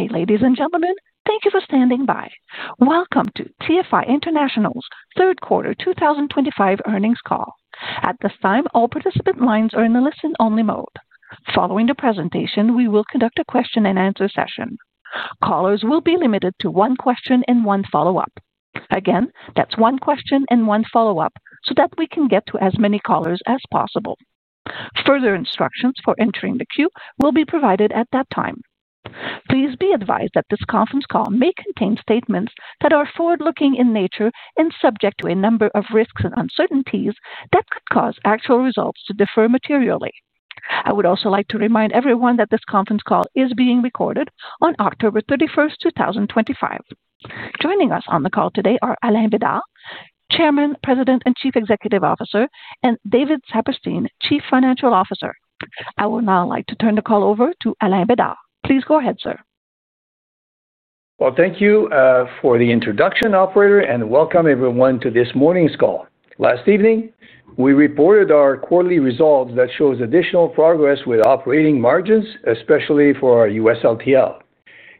Good day, ladies and gentlemen. Thank you for standing by. Welcome to TFI International's third quarter 2025 earnings call. At this time, all participant lines are in the listen-only mode. Following the presentation, we will conduct a question-and-answer session. Callers will be limited to one question and one follow-up. Again, that's one question and one follow-up so that we can get to as many callers as possible. Further instructions for entering the queue will be provided at that time. Please be advised that this conference call may contain statements that are forward-looking in nature and subject to a number of risks and uncertainties that could cause actual results to differ materially. I would also like to remind everyone that this conference call is being recorded on October 31, 2025. Joining us on the call today are Alain Bédard, Chairman, President, and Chief Executive Officer, and David Saperstein, Chief Financial Officer. I would now like to turn the call over to Alain Bédard. Please go ahead, sir. Thank you for the introduction, Operator, and welcome everyone to this morning's call. Last evening, we reported our quarterly results that show additional progress with operating margins, especially for our USLTL.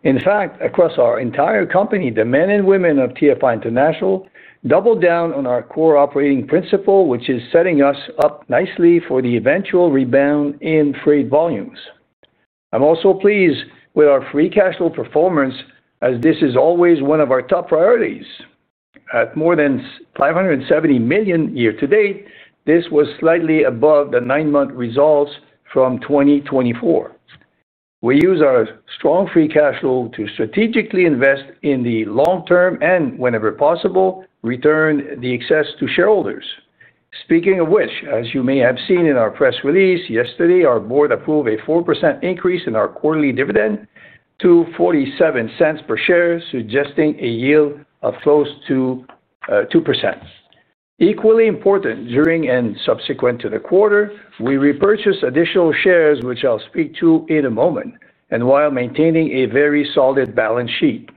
In fact, across our entire company, the men and women of TFI International doubled down on our core operating principle, which is setting us up nicely for the eventual rebound in freight volumes. I'm also pleased with our free cash flow performance, as this is always one of our top priorities. At more than $570 million year-to-date, this was slightly above the nine-month results from 2024. We use our strong free cash flow to strategically invest in the long-term and, whenever possible, return the excess to shareholders. Speaking of which, as you may have seen in our press release yesterday, our board approved a 4% increase in our quarterly dividend to $0.47 per share, suggesting a yield of close to 2%. Equally important, during and subsequent to the quarter, we repurchased additional shares, which I'll speak to in a moment, while maintaining a very solid balance sheet.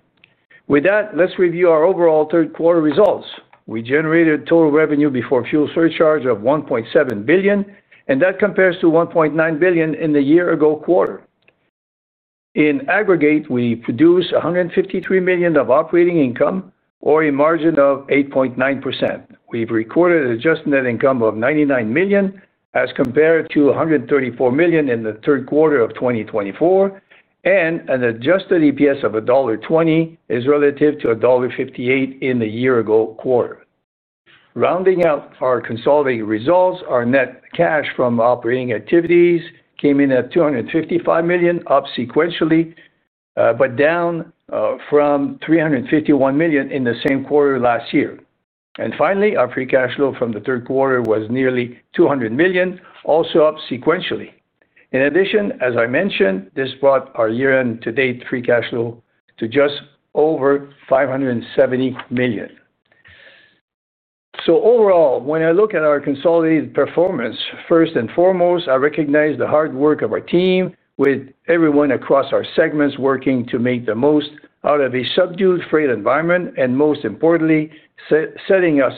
With that, let's review our overall third-quarter results. We generated total revenue before fuel surcharge of $1.7 billion, and that compares to $1.9 billion in the year-ago quarter. In aggregate, we produced $153 million of operating income, or a margin of 8.9%. We've recorded an adjusted net income of $99 million as compared to $134 million in the third quarter of 2024, and an adjusted EPS of $1.20 relative to $1.58 in the year-ago quarter. Rounding out our consolidated results, our net cash from operating activities came in at $255 million, up sequentially, but down from $351 million in the same quarter last year. Finally, our free cash flow from the third quarter was nearly $200 million, also up sequentially. In addition, as I mentioned, this brought our year-to-date free cash flow to just over $570 million. Overall, when I look at our consolidated performance, first and foremost, I recognize the hard work of our team, with everyone across our segments working to make the most out of a subdued freight environment, and most importantly, setting us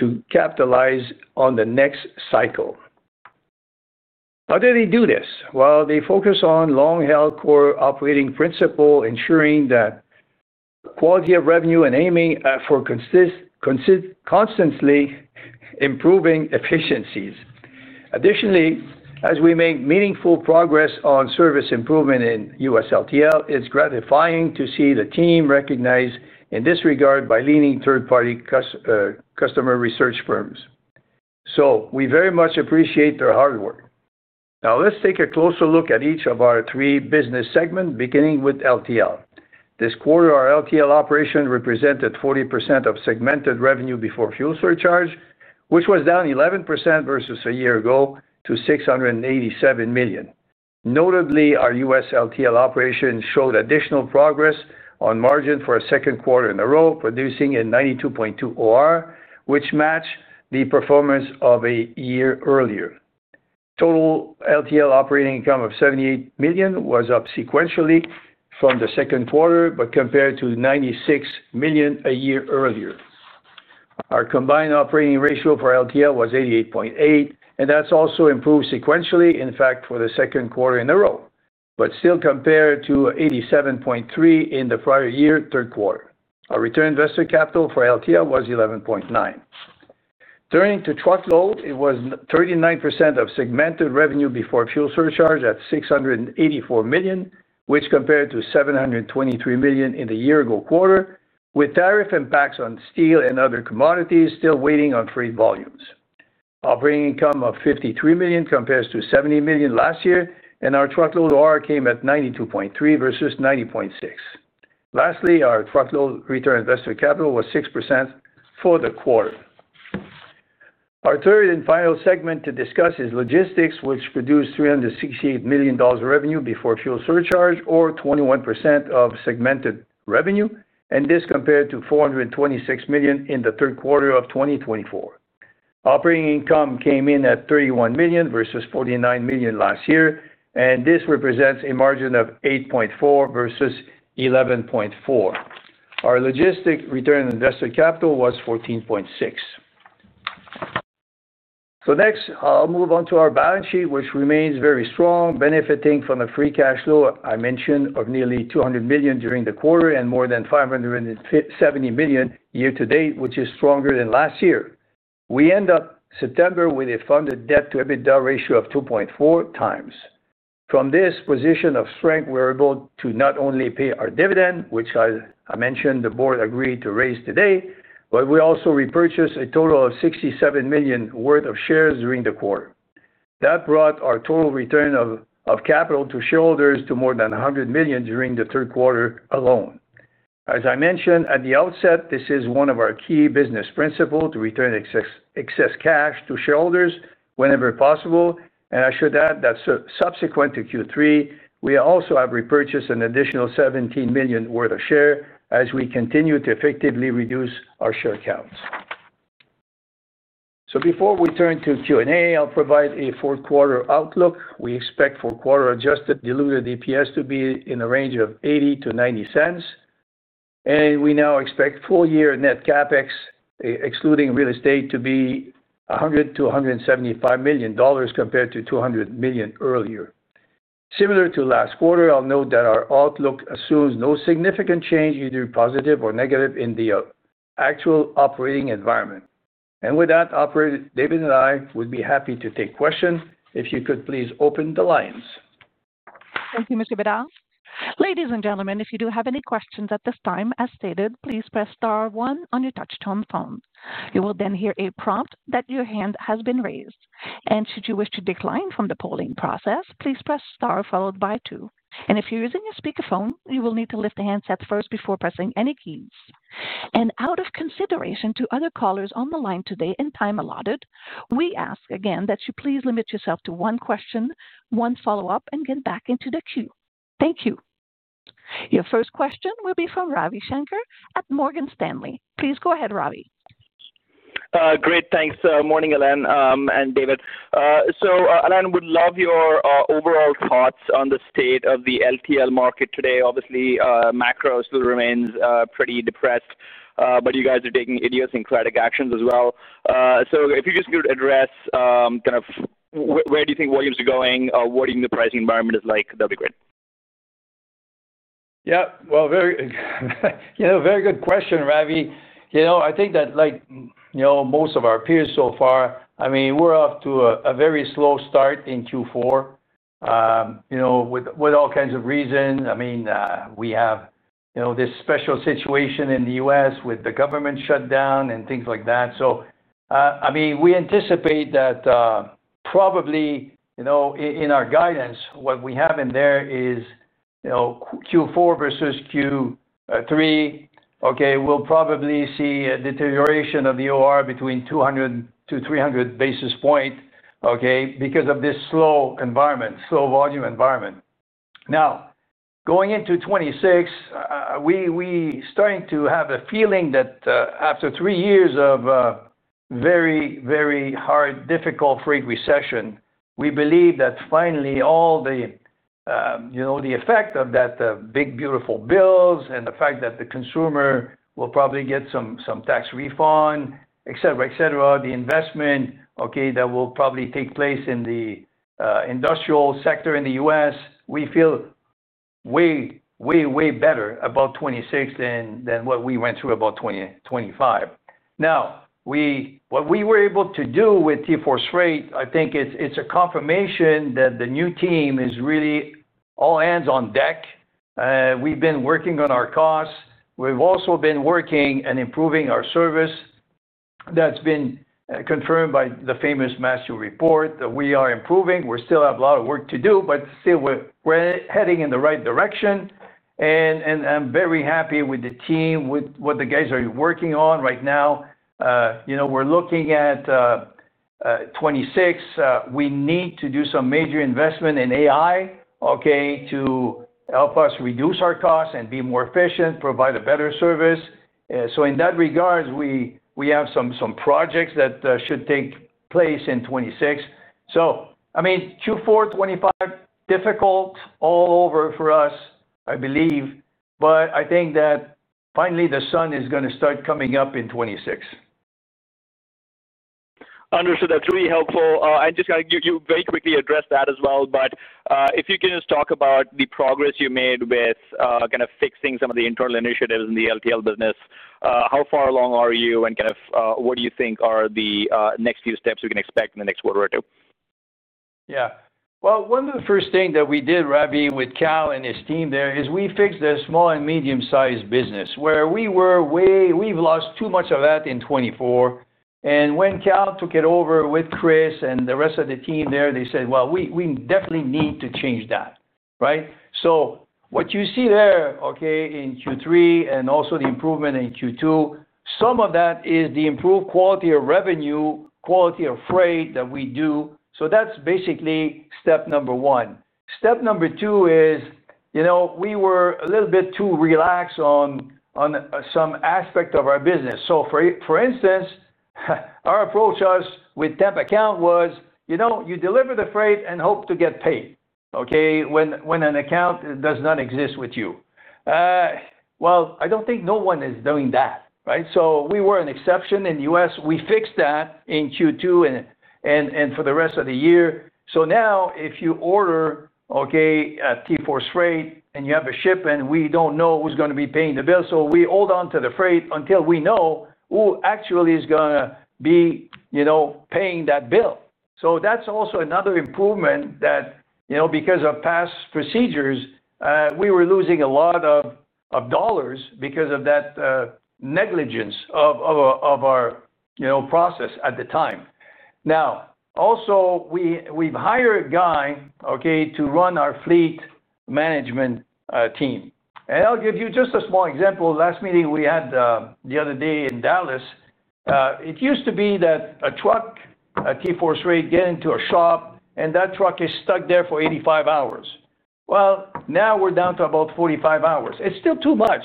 to capitalize on the next cycle. How do they do this? They focus on long-held core operating principle, ensuring quality of revenue and aiming for constantly improving efficiencies. Additionally, as we make meaningful progress on service improvement in USLTL, it's gratifying to see the team recognized in this regard by leading third-party customer research firms. We very much appreciate their hard work. Now, let's take a closer look at each of our three business segments, beginning with LTL. This quarter, our LTL operation represented 40% of segmented revenue before fuel surcharge, which was down 11% versus a year ago to $687 million. Notably, our USLTL operation showed additional progress on margin for a second quarter in a row, producing a 92.2 OR, which matched the performance of a year earlier. Total LTL operating income of $78 million was up sequentially from the second quarter, but compared to $96 million a year earlier. Our combined operating ratio for LTL was 88.8, and that's also improved sequentially, in fact, for the second quarter in a row, but still compared to 87.3 in the prior year third quarter. Our return on invested capital for LTL was 11.9%. Turning to truckload, it was 39% of segmented revenue before fuel surcharge at $684 million, which compared to $723 million in the year-ago quarter, with tariff impacts on steel and other commodities still weighing on freight volumes. Operating income of $53 million compares to $70 million last year, and our truckload OR came at 92.3 versus 90.6. Lastly, our truckload return on invested capital was 6% for the quarter. Our third and final segment to discuss is logistics, which produced $368 million revenue before fuel surcharge, or 21% of segmented revenue, and this compared to $426 million in the third quarter of 2024. Operating income came in at $31 million versus $49 million last year, and this represents a margin of 8.4% versus 11.4%. Our logistics return on invested capital was 14.6%. Next, I'll move on to our balance sheet, which remains very strong, benefiting from the free cash flow I mentioned of nearly $200 million during the quarter and more than $570 million year-to-date, which is stronger than last year. We end up September with a funded debt-to-EBITDA ratio of 2.4 times. From this position of strength, we're able to not only pay our dividend, which I mentioned the board agreed to raise today, but we also repurchased a total of $67 million worth of shares during the quarter. That brought our total return of capital to shareholders to more than $100 million during the third quarter alone. As I mentioned at the outset, this is one of our key business principles to return excess cash to shareholders whenever possible, and I should add that subsequent to Q3, we also have repurchased an additional $17 million worth of shares as we continue to effectively reduce our share count. Before we turn to Q&A, I'll provide a four-quarter outlook. We expect four-quarter adjusted diluted EPS to be in the range of $0.80 to $0.90. We now expect full-year net CapEx, excluding real estate, to be $100 million to $175 million compared to $200 million earlier. Similar to last quarter, I'll note that our outlook assumes no significant change, either positive or negative, in the actual operating environment. With that, Operator, David and I would be happy to take questions. If you could please open the lines. Thank you, Mr. Bedard. Ladies and gentlemen, if you do have any questions at this time, as stated, please press star one on your touch-tone phone. You will then hear a prompt that your hand has been raised. Should you wish to decline from the polling process, please press star followed by two. If you're using a speakerphone, you will need to lift the handset first before pressing any keys. Out of consideration to other callers on the line today and the time allotted, we ask again that you please limit yourself to one question, one follow-up, and get back into the queue. Thank you. Your first question will be from Ravi Shankar at Morgan Stanley. Please go ahead, Ravi. Great. Thanks. Morning, Alain and David. Alain, would love your overall thoughts on the state of the LTL market today. Obviously, macros still remain pretty depressed, but you guys are taking idiosyncratic actions as well. If you just could address kind of where do you think volumes are going, what do you think the pricing environment is like, that'd be great. Yeah. Very good question, Ravi. I think that most of our peers so far, I mean, we're off to a very slow start in Q4 with all kinds of reasons. I mean, we have this special situation in the U.S. with the government shutdown and things like that. I mean, we anticipate that probably in our guidance, what we have in there is Q4 versus Q3, we'll probably see a deterioration of the OR between 200 to 300 basis points because of this slow environment, slow volume environment. Now, going into 2026, we're starting to have a feeling that after three years of very, very hard, difficult freight recession, we believe that finally all the effect of that big, beautiful bills and the fact that the consumer will probably get some tax refund, et cetera, et cetera, the investment that will probably take place in the industrial sector in the U.S., we feel way, way, way better about 2026 than what we went through about 2025. Now, what we were able to do with TFI International's freight, I think it's a confirmation that the new team is really all hands on deck. We've been working on our costs. We've also been working and improving our service. That's been confirmed by the famous Mastio Report that we are improving. We still have a lot of work to do, but still we're heading in the right direction. I'm very happy with the team, with what the guys are working on right now. We're looking at 2026. We need to do some major investment in AI to help us reduce our costs and be more efficient, provide a better service. In that regard, we have some projects that should take place in 2026. I mean, Q4 2025, difficult all over for us, I believe, but I think that finally the sun is going to start coming up in 2026. Understood. That's really helpful. You very quickly addressed that as well, but if you can just talk about the progress you made with kind of fixing some of the internal initiatives in the less-than-truckload business, how far along are you and what do you think are the next few steps we can expect in the next quarter or two? Yeah. One of the first things that we did, Ravi, with Cal and his team there is we fixed the small and medium-sized business where we were way, we've lost too much of that in 2024. When Cal took it over with Chris and the rest of the team there, they said, "We definitely need to change that," right? What you see there in Q3 and also the improvement in Q2, some of that is the improved quality of revenue, quality of freight that we do. That's basically step number one. Step number two is we were a little bit too relaxed on some aspect of our business. For instance, our approach with temp account was, you deliver the freight and hope to get paid when an account does not exist with you. I don't think anyone is doing that, right? We were an exception in the US. We fixed that in Q2 and for the rest of the year. Now if you order TForce Freight and you have a ship and we don't know who's going to be paying the bill, we hold on to the freight until we know who actually is going to be paying that bill. That's also another improvement that, because of past procedures, we were losing a lot of dollars because of that negligence of our process at the time. Now, we've hired Guy to run our fleet management team. I'll give you just a small example. Last meeting we had the other day in Dallas, it used to be that a truck, a TForce Freight, gets into a shop and that truck is stuck there for 85 hours. Now we're down to about 45 hours. It's still too much,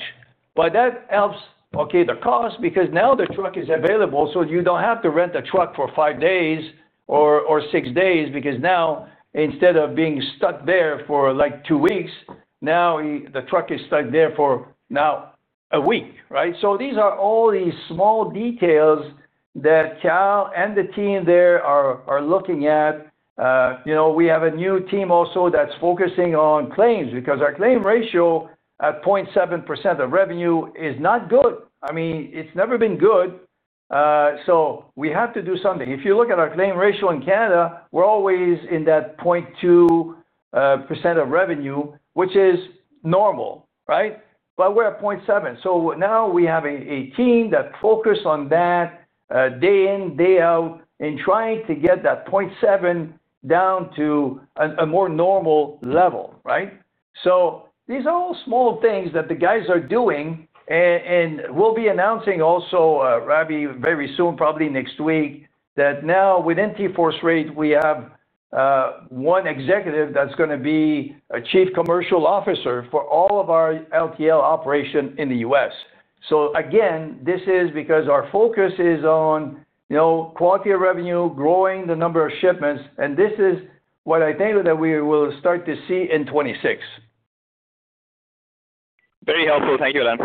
but that helps the cost because now the truck is available, so you don't have to rent a truck for five days or six days. Now, instead of being stuck there for like two weeks, now the truck is stuck there for a week, right? These are all these small details that Cal and the team there are looking at. We have a new team also that's focusing on claims because our claim ratio at 0.7% of revenue is not good. I mean, it's never been good. We have to do something. If you look at our claim ratio in Canada, we're always in that 0.2% of revenue, which is normal, right? We're at 0.7%. Now we have a team that focuses on that day in, day out, in trying to get that 0.7% down to a more normal level, right? These are all small things that the guys are doing. We'll be announcing also, Ravi, very soon, probably next week, that now within TForce Freight, we have. One executive that's going to be a Chief Commercial Officer for all of our less-than-truckload operation in the U.S. This is because our focus is on quality of revenue, growing the number of shipments, and this is what I think that we will start to see in 2026. Very helpful. Thank you, Alain.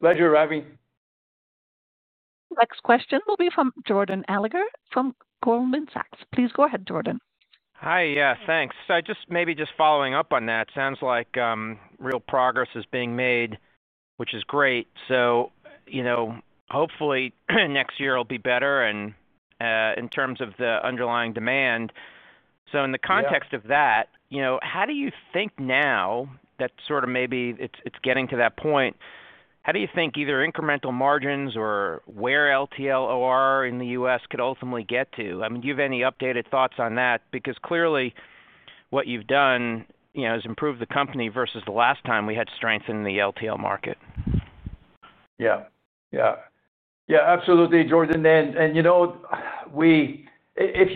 Pleasure, Ravi. Next question will be from Jordan Alliger from Goldman Sachs. Please go ahead, Jordan. Hi. Thanks. Just maybe following up on that, it sounds like real progress is being made, which is great. Hopefully next year will be better in terms of the underlying demand. In the context of that, how do you think now that maybe it's getting to that point, how do you think either incremental margins or where LTL OR in the U.S. could ultimately get to? I mean, do you have any updated thoughts on that? Because clearly what you've done has improved the company versus the last time we had strength in the LTL market. Yeah. Absolutely, Jordan. If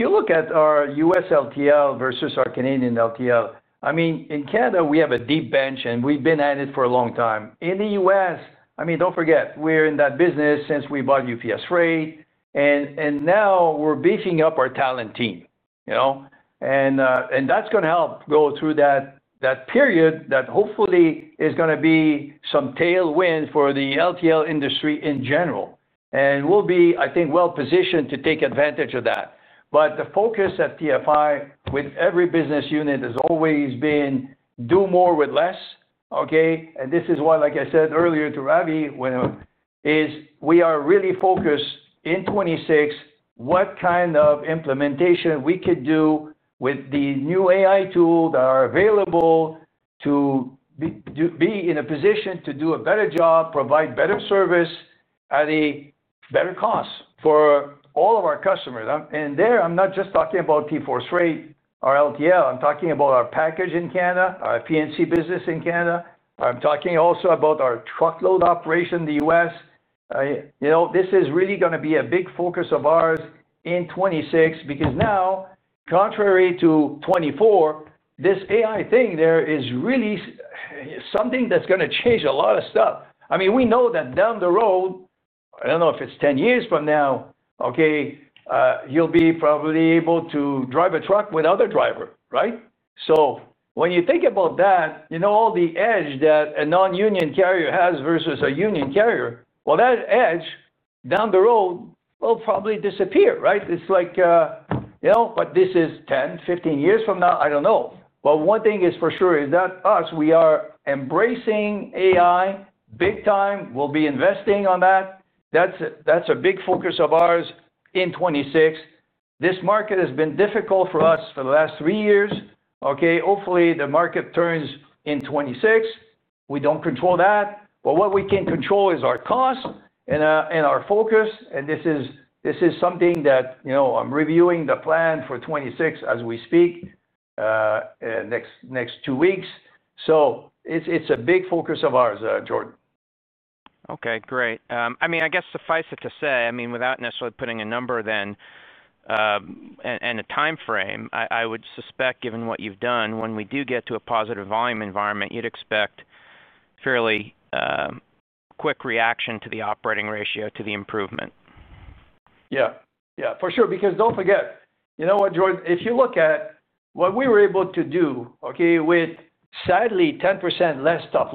you look at our U.S. LTL versus our Canadian LTL, in Canada, we have a deep bench and we've been at it for a long time. In the U.S., don't forget, we're in that business since we bought UPS Freight, and now we're beefing up our talent team. That's going to help go through that period that hopefully is going to be some tailwind for the LTL industry in general. We'll be, I think, well positioned to take advantage of that. The focus at TFI International with every business unit has always been do more with less, okay? This is why, like I said earlier to Ravi, we are really focused in 2026, what kind of implementation we could do with the new AI tools that are available to be in a position to do a better job, provide better service at a better cost for all of our customers. There, I'm not just talking about TFI International's freight, our LTL, I'm talking about our package in Canada, our P&C business in Canada. I'm talking also about our truckload operation in the U.S. This is really going to be a big focus of ours in 2026 because now, contrary to 2024, this AI thing there is really something that's going to change a lot of stuff. We know that down the road, I don't know if it's 10 years from now, okay, you'll be probably able to drive a truck with other drivers, right? When you think about that, all the edge that a non-union carrier has versus a union carrier, that edge down the road will probably disappear, right? It's like, but this is 10, 15 years from now, I don't know. One thing is for sure is that us, we are embracing AI big time. We'll be investing on that. That's a big focus of ours in 2026. This market has been difficult for us for the last three years, okay? Hopefully the market turns in 2026. We don't control that. What we can control is our cost and our focus. This is something that I'm reviewing the plan for 2026 as we speak. Next two weeks. It's a big focus of ours, Jordan. Okay. Great. I mean, I guess suffice it to say, I mean, without necessarily putting a number then and a timeframe, I would suspect given what you've done, when we do get to a positive volume environment, you'd expect fairly quick reaction to the operating ratio, to the improvement. Yeah. Yeah. For sure. Because don't forget, you know what, Jordan, if you look at what we were able to do with, sadly, 10% less top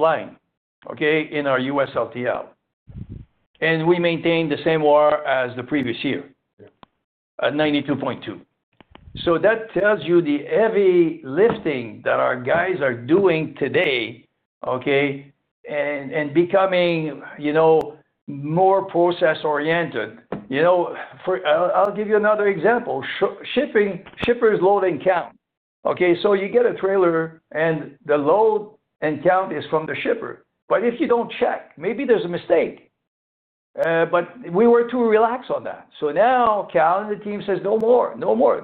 line in our US less-than-truckload. We maintained the same OR as the previous year, 92.2. That tells you the heavy lifting that our guys are doing today and becoming more process-oriented. I'll give you another example. Shippers load and count, okay? You get a trailer and the load and count is from the shipper, but if you don't check, maybe there's a mistake. We were too relaxed on that. Now Kal and the team say, "No more. No more."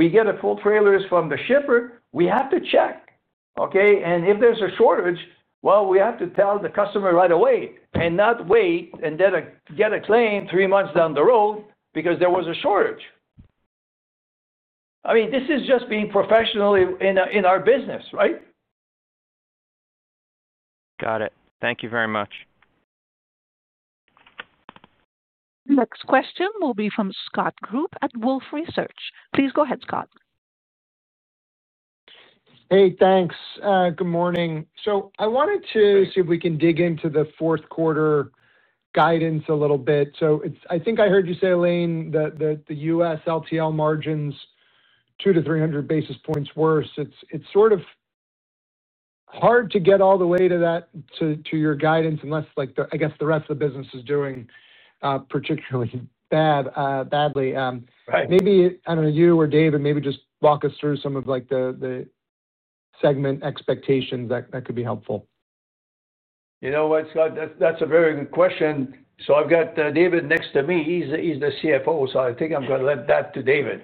We get a full trailer from the shipper, we have to check, okay? If there's a shortage, we have to tell the customer right away and not wait and then get a claim three months down the road because there was a shortage. This is just being professional in our business, right? Got it. Thank you very much. Next question will be from Scott Group at Wolfe Research. Please go ahead, Scott. Hey, thanks. Good morning. I wanted to see if we can dig into the fourth quarter guidance a little bit. I think I heard you say, Alain, that the U.S. LTL margins, 2 to 300 basis points worse, it's sort of hard to get all the way to that, to your guidance, unless I guess the rest of the business is doing particularly badly. Maybe, I don't know, you or David, maybe just walk us through some of the segment expectations that could be helpful. You know what, Scott? That's a very good question. I've got David next to me. He's the CFO, so I think I'm going to let that to David.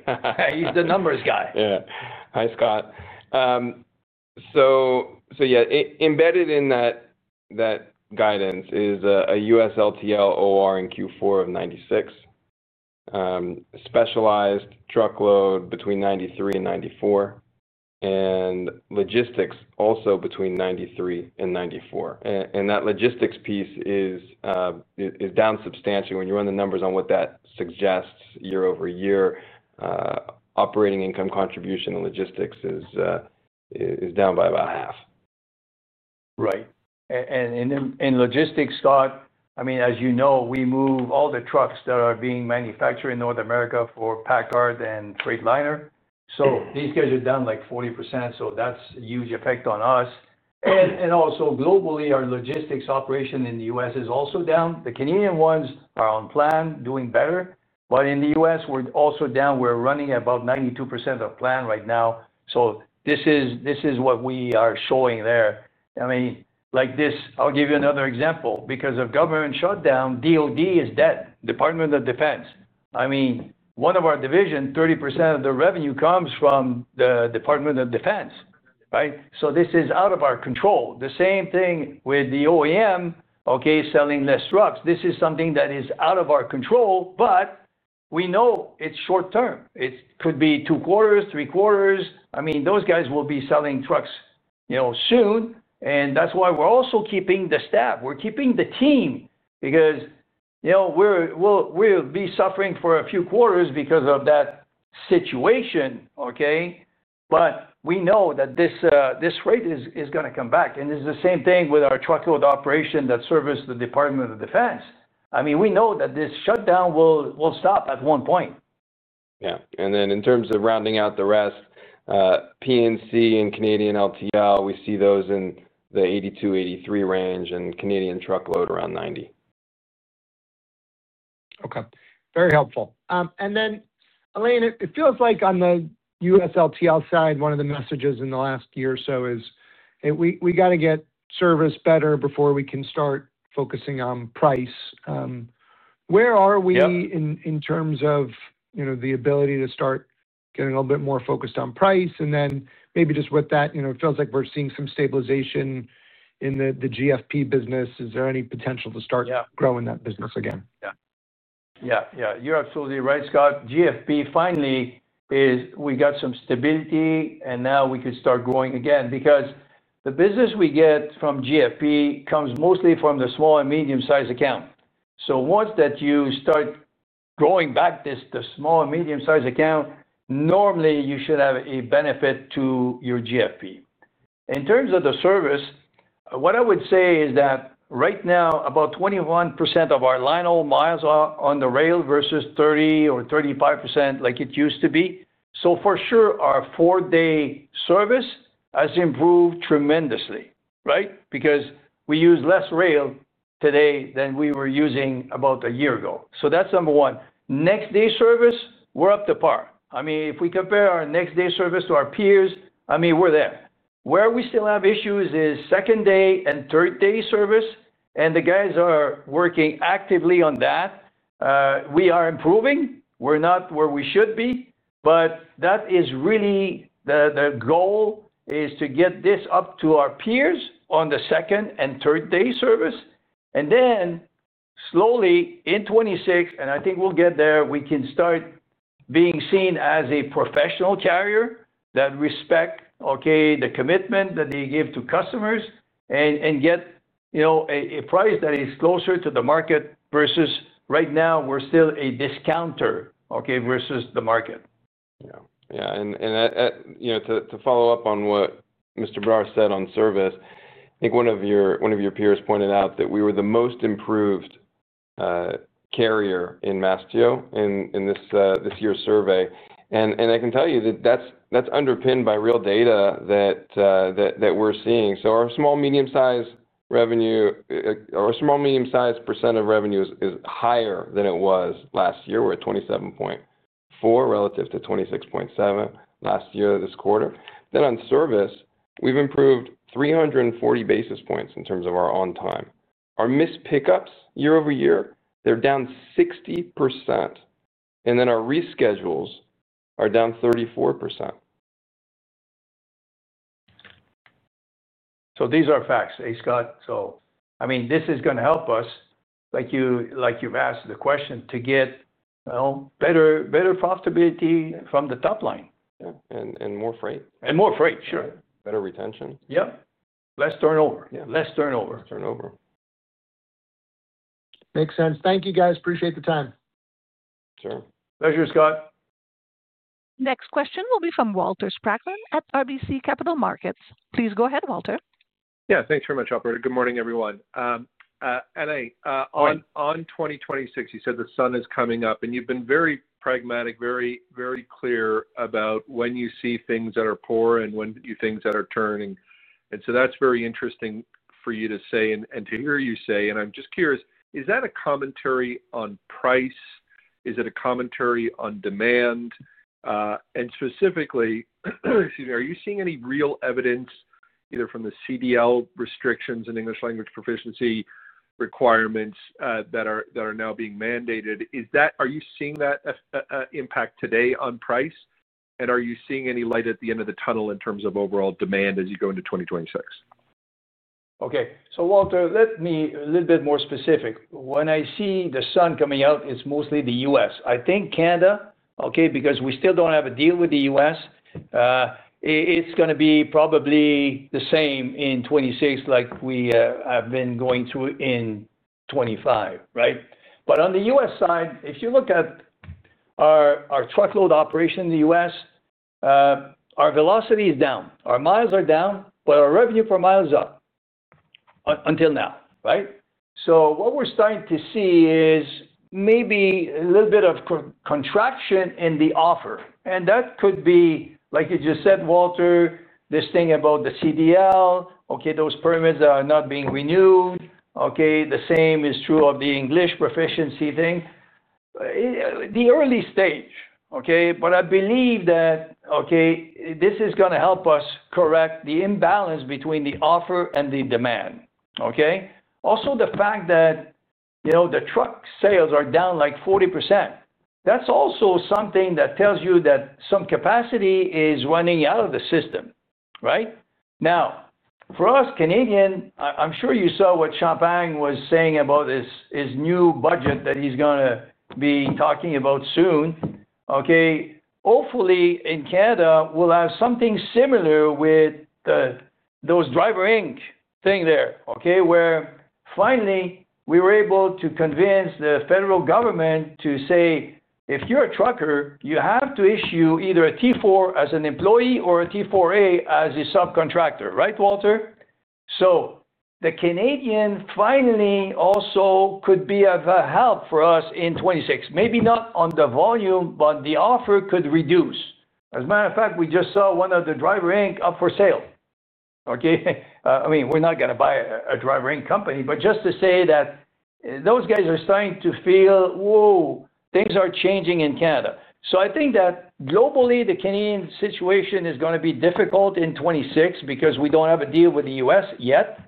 He's the numbers guy. Yeah. Hi, Scott. Embedded in that guidance is a U.S. less-than-truckload OR in Q4 of 96. Specialized truckload between 93 and 94. Logistics also between 93 and 94. That logistics piece is down substantially. When you run the numbers on what that suggests year over year, operating income contribution in logistics is down by about half. Right. In logistics, Scott, as you know, we move all the trucks that are being manufactured in North America for PACCAR and Freightliner. These guys are down like 40%. That's a huge effect on us. Also, globally, our logistics operation in the U.S. is also down. The Canadian ones are on plan, doing better. In the U.S., we're also down. We're running about 92% of plan right now. This is what we are showing there. I'll give you another example. Because of government shutdown, DOD is Department of Defense. One of our divisions, 30% of the revenue comes from the Department of Defense, right? This is out of our control. The same thing with the OEM, selling less trucks. This is something that is out of our control, but we know it's short-term. It could be two quarters, three quarters. Those guys will be selling trucks soon. That's why we're also keeping the staff. We're keeping the team because we'll be suffering for a few quarters because of that situation. We know that this freight is going to come back. It's the same thing with our truckload operation that serves the Department of Defense. We know that this shutdown will stop at one point. Yeah. In terms of rounding out the rest, P&C and Canadian LTL, we see those in the 82% to 83% range, and Canadian truckload around 90%. Okay. Very helpful. Alain, it feels like on the US less-than-truckload side, one of the messages in the last year or so is we got to get service better before we can start focusing on price. Where are we in terms of the ability to start getting a little bit more focused on price? Maybe just with that, it feels like we're seeing some stabilization in the GFP business. Is there any potential to start growing that business again? Yeah. Yeah. Yeah. You're absolutely right, Scott. GFP, finally, we got some stability, and now we could start growing again. Because the business we get from GFP comes mostly from the small and medium-sized account. Once you start growing back the small and medium-sized account, normally you should have a benefit to your GFP. In terms of the service, what I would say is that right now, about 21% of our linehaul miles are on the rail versus 30% or 35% like it used to be. For sure, our four-day service has improved tremendously, right? We use less rail today than we were using about a year ago. That's number one. Next-day service, we're up to par. If we compare our next-day service to our peers, we're there. Where we still have issues is second-day and third-day service, and the guys are working actively on that. We are improving. We're not where we should be. That is really the goal, to get this up to our peers on the second and third-day service. Slowly in 2026, and I think we'll get there, we can start being seen as a professional carrier that respects the commitment that they give to customers and get a price that is closer to the market versus right now, we're still a discounter versus the market. Yeah. To follow up on what Mr. Brough said on service, I think one of your peers pointed out that we were the most improved carrier in Mastio in this year's survey. I can tell you that that's underpinned by real data that we're seeing. Our small, medium-sized percent of revenue is higher than it was last year. We're at 27.4% relative to 26.7% last year this quarter. On service, we've improved 340 basis points in terms of our on time. Our missed pickups year over year are down 60%, and our reschedules are down 34%. These are facts, Scott. I mean, this is going to help us, like you've asked the question, to get better profitability from the top line. Yeah, more freight. More freight, sure. Better retention. Yep, less turnover. Less turnover. Turnover. Makes sense. Thank you, guys. Appreciate the time. Sure. Pleasure, Scott. Next question will be from Walter Spracklin at RBC Capital Markets. Please go ahead, Walter. Yeah. Thanks very much, Albert. Good morning, everyone. Alain, on 2026, you said the sun is coming up, and you've been very pragmatic, very clear about when you see things that are poor and when you see things that are turning. That's very interesting for you to say and to hear you say. I'm just curious, is that a commentary on price? Is it a commentary on demand? Specifically, are you seeing any real evidence either from the CDL restrictions and English language proficiency requirements that are now being mandated? Are you seeing that impact today on price? Are you seeing any light at the end of the tunnel in terms of overall demand as you go into 2026? Okay. Walter, let me be a little bit more specific. When I see the sun coming out, it's mostly the U.S. I think Canada, okay, because we still don't have a deal with the U.S. It's going to be probably the same in 2026 like we have been going through in 2025, right? On the U.S. side, if you look at our truckload operation in the U.S., our velocity is down, our miles are down, but our revenue per mile is up until now, right? What we're starting to see is maybe a little bit of contraction in the offer. That could be, like you just said, Walter, this thing about the CDL, okay, those permits are not being renewed. The same is true of the English proficiency thing, the early stage, okay? I believe that this is going to help us correct the imbalance between the offer and the demand, okay? Also, the fact that the truck sales are down like 40%. That's also something that tells you that some capacity is running out of the system, right? For us, Canadian, I'm sure you saw what Champagne was saying about his new budget that he's going to be talking about soon, okay? Hopefully, in Canada, we'll have something similar with those Driver Inc. thing there, okay? Where finally we were able to convince the federal government to say, "If you're a trucker, you have to issue either a T4 as an employee or a T4A as a subcontractor," right, Walter? The Canadian finally also could be of a help for us in 2026. Maybe not on the volume, but the offer could reduce. As a matter of fact, we just saw one of the Driver Inc. up for sale, okay? I mean, we're not going to buy a Driver Inc. company, but just to say that those guys are starting to feel, "Whoa, things are changing in Canada." I think that globally, the Canadian situation is going to be difficult in 2026 because we don't have a deal with the U.S. yet.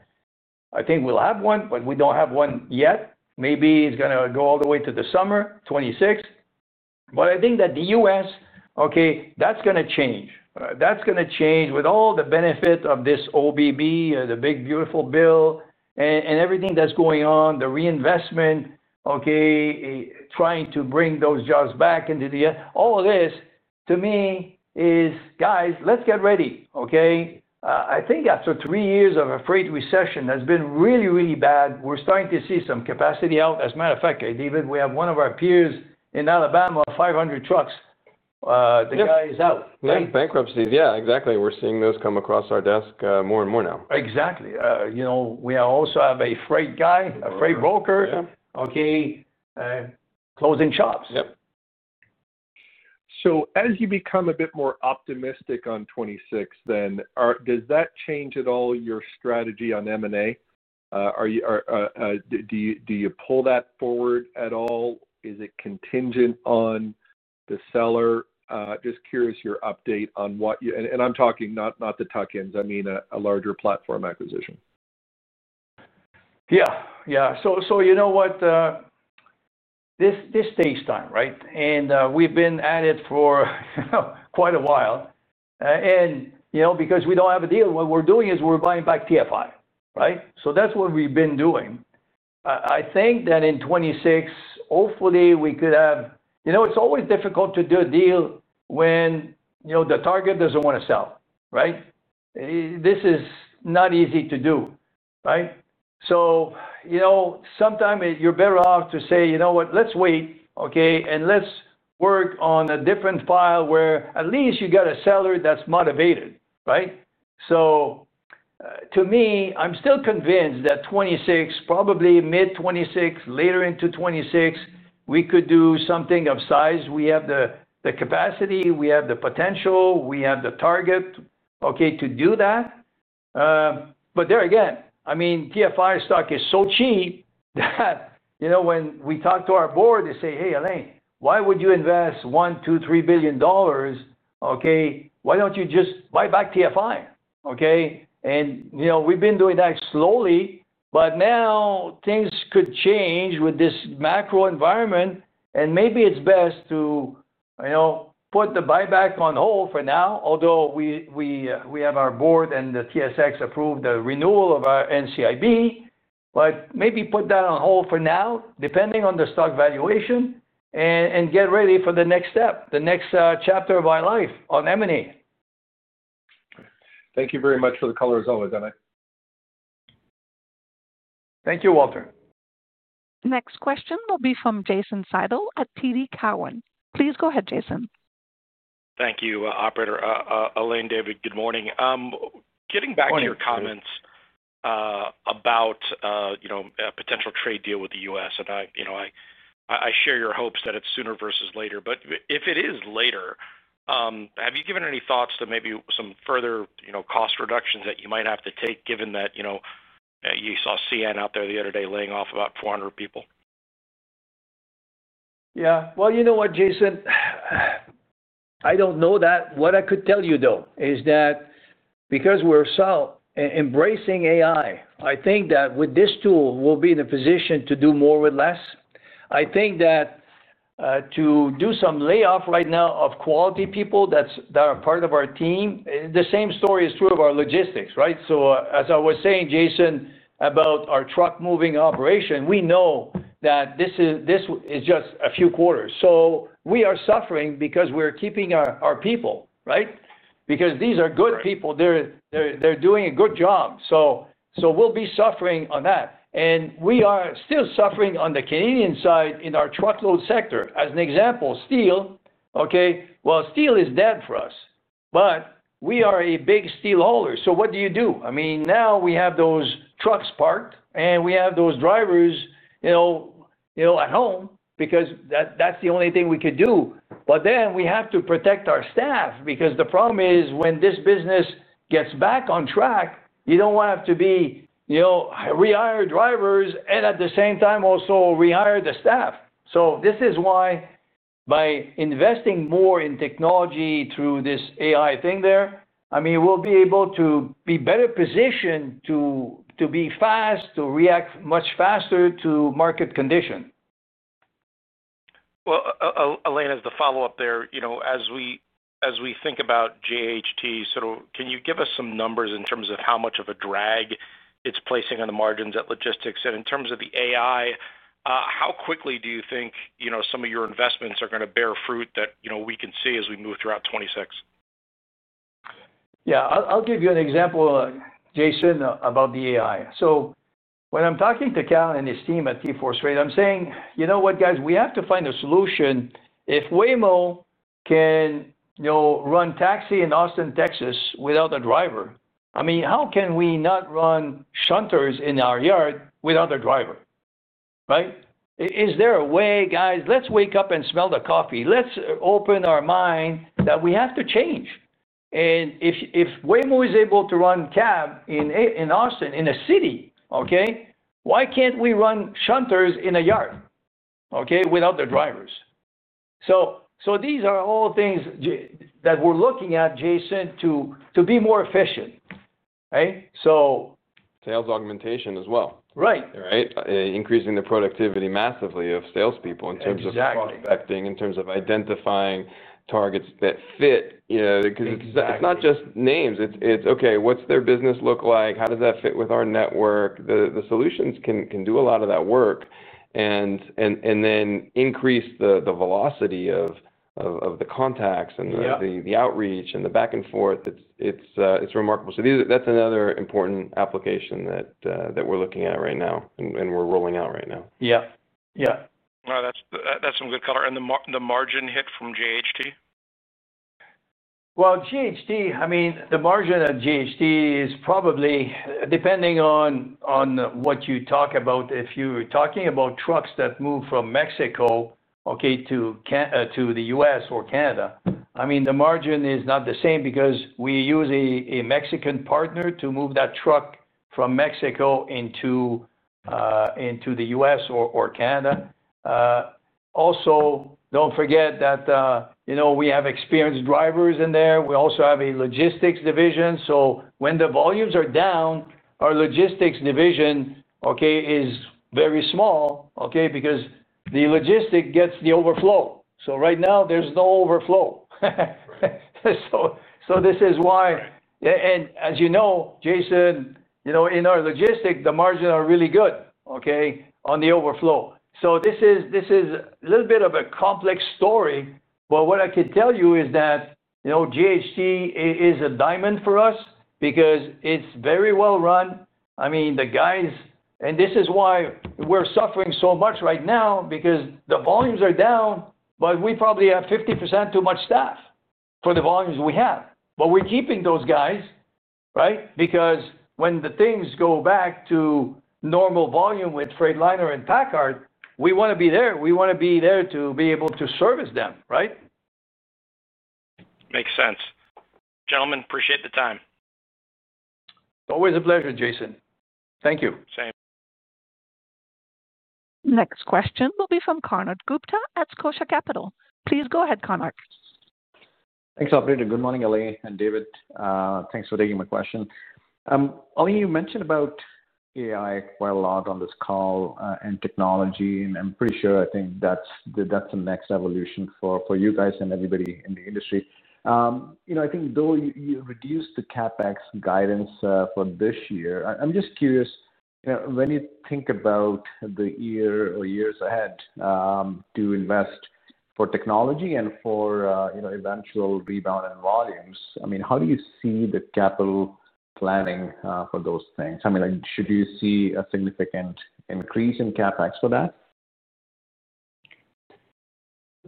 I think we'll have one, but we don't have one yet. Maybe it's going to go all the way to the summer, 2026. I think that the U.S., okay, that's going to change. That's going to change with all the benefit of this OBB, the big beautiful bill, and everything that's going on, the reinvestment, okay. Trying to bring those jobs back into the— all of this, to me, is, "Guys, let's get ready," okay? I think after three years of a freight recession that's been really, really bad, we're starting to see some capacity out. As a matter of fact, David, we have one of our peers in Alabama, 500 trucks. The guy is out. Bankruptcies. Yeah, exactly. We're seeing those come across our desk more and more now. Exactly. We also have a freight guy, a freight broker, closing shops. As you become a bit more optimistic on 2026, does that change at all your strategy on M&A? Do you pull that forward at all? Is it contingent on the seller? Just curious your update on what you— and I'm talking not the tuck-ins, I mean a larger platform acquisition. Yeah. Yeah. You know what, this is based on, right? We've been at it for quite a while. Because we don't have a deal, what we're doing is we're buying back TFI, right? That's what we've been doing. I think that in 2026, hopefully, we could have—it's always difficult to do a deal when the target doesn't want to sell, right? This is not easy to do, right? Sometimes you're better off to say, "You know what? Let's wait, okay, and let's work on a different file where at least you got a seller that's motivated," right? To me, I'm still convinced that 2026, probably mid-2026, later into 2026, we could do something of size. We have the capacity. We have the potential. We have the target, okay, to do that. There again, I mean, TFI stock is so cheap that when we talk to our board, they say, "Hey, Alain, why would you invest $1 billion, $2 billion, $3 billion, okay? Why don't you just buy back TFI?" We've been doing that slowly, but now things could change with this macro environment, and maybe it's best to put the buyback on hold for now, although we have our board and the TSX approved the renewal of our NCIB, but maybe put that on hold for now, depending on the stock valuation, and get ready for the next step, the next chapter of our life on M&A. Thank you very much for the colors, always, Alain. Thank you, Walter. Next question will be from Jason Seidel at TD Cowen. Please go ahead, Jason. Thank you, Operator. Alain, David, good morning. Getting back to your comments about a potential trade deal with the U.S., I share your hopes that it's sooner versus later. If it is later, have you given any thoughts to maybe some further cost reductions that you might have to take given that you saw CN out there the other day laying off about 400 people? Yeah. You know what, Jason? I don't know that. What I could tell you, though, is that because we're embracing AI, I think that with this tool, we'll be in a position to do more with less. I think that to do some layoff right now of quality people that are part of our team, the same story is true of our logistics, right? As I was saying, Jason, about our truck-moving operation, we know that this is just a few quarters. We are suffering because we're keeping our people, right? These are good people. They're doing a good job. We'll be suffering on that. We are still suffering on the Canadian side in our truckload sector. As an example, steel, okay? Steel is dead for us, but we are a big steel hauler. What do you do? Now we have those trucks parked, and we have those drivers at home because that's the only thing we could do. We have to protect our staff because the problem is when this business gets back on track, you don't want to have to rehire drivers and at the same time also rehire the staff. This is why by investing more in technology through this AI thing there, I mean, we'll be able to be better positioned to be fast, to react much faster to market condition. Alain, as the follow-up there, as we think about JHT, sort of can you give us some numbers in terms of how much of a drag it's placing on the margins at logistics? In terms of the AI, how quickly do you think some of your investments are going to bear fruit that we can see as we move throughout 2026? Yeah. I'll give you an example, Jason, about the AI. When I'm talking to Cal and his team at T4 Straight, I'm saying, "You know what, guys? We have to find a solution if Waymo can run taxi in Austin, Texas without a driver." I mean, how can we not run shunters in our yard without a driver, right? Is there a way, guys? Let's wake up and smell the coffee. Let's open our mind that we have to change. If Waymo is able to run cab in Austin, in a city, why can't we run shunters in a yard without the drivers? These are all things that we're looking at, Jason, to be more efficient, right? Sales augmentation as well. Right. Increasing the productivity massively of salespeople in terms of prospecting, in terms of identifying targets that fit. Because it's not just names. It's, "Okay, what's their business look like? How does that fit with our network?" The solutions can do a lot of that work, then increase the velocity of the contacts and the outreach and the back and forth. It's remarkable. That's another important application that we're looking at right now and we're rolling out right now. Yeah. Yeah. No, that's some good color. The margin hit from JHT? JHT, I mean, the margin at JHT is probably depending on what you talk about. If you're talking about trucks that move from Mexico to the U.S. or Canada, the margin is not the same because we use a Mexican partner to move that truck from Mexico into the U.S. or Canada. Also, don't forget that we have experienced drivers in there. We also have a logistics division. When the volumes are down, our logistics division is very small because the logistics gets the overflow. Right now, there's no overflow. This is why. As you know, Jason, in our logistics, the margins are really good on the overflow. This is a little bit of a complex story. What I could tell you is that JHT is a diamond for us because it's very well run. I mean, the guys, and this is why we're suffering so much right now because the volumes are down, but we probably have 50% too much staff for the volumes we have. We're keeping those guys, right? Because when things go back to normal volume with Freightliner and PACCAR, we want to be there. We want to be there to be able to service them, right? Makes sense. Gentlemen, appreciate the time. Always a pleasure, Jason. Thank you. Same. Next question will be from Konark Gupta at Scotiabank. Please go ahead, Konark. Thanks, Operator. Good morning, Alain and David. Thanks for taking my question. Alain, you mentioned AI quite a lot on this call and technology, and I'm pretty sure I think that's the next evolution for you guys and everybody in the industry. I think though you reduced the CapEx guidance for this year, I'm just curious. When you think about the year or years ahead to invest for technology and for eventual rebound in volumes, I mean, how do you see the capital planning for those things? I mean, should you see a significant increase in CapEx for that?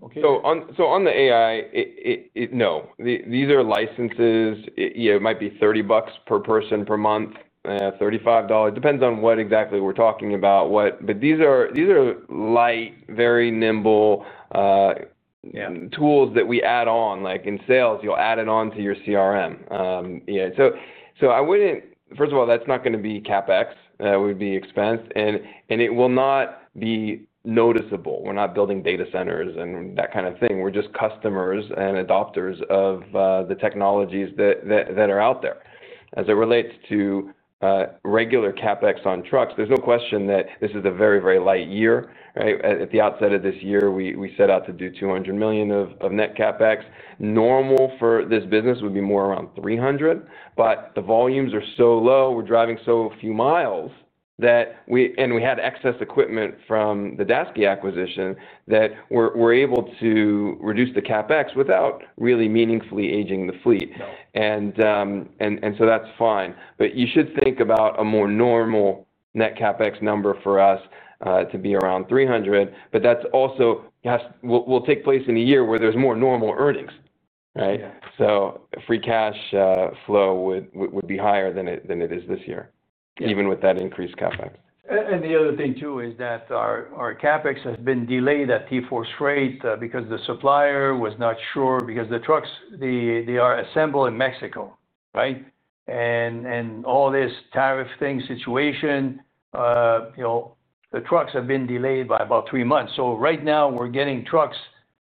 On the AI. No. These are licenses. It might be $30 per person per month, $35. Depends on what exactly we're talking about. These are light, very nimble tools that we add on. Like in sales, you'll add it on to your CRM. I wouldn't, first of all, that's not going to be CapEx. It would be expense, and it will not be noticeable. We're not building data centers and that kind of thing. We're just customers and adopters of the technologies that are out there. As it relates to regular CapEx on trucks, there's no question that this is a very, very light year, right? At the outset of this year, we set out to do $200 million of net CapEx. Normal for this business would be more around $300 million. The volumes are so low, we're driving so few miles that we had excess equipment from the Daseke acquisition that we're able to reduce the CapEx without really meaningfully aging the fleet. That's fine. You should think about a more normal net CapEx number for us to be around $300 million. That also will take place in a year where there's more normal earnings, right? Free cash flow would be higher than it is this year, even with that increased CapEx. The other thing too is that our CapEx has been delayed at T4 Straight because the supplier was not sure because the trucks, they are assembled in Mexico, right? All this tariff thing situation. The trucks have been delayed by about three months. Right now, we're getting trucks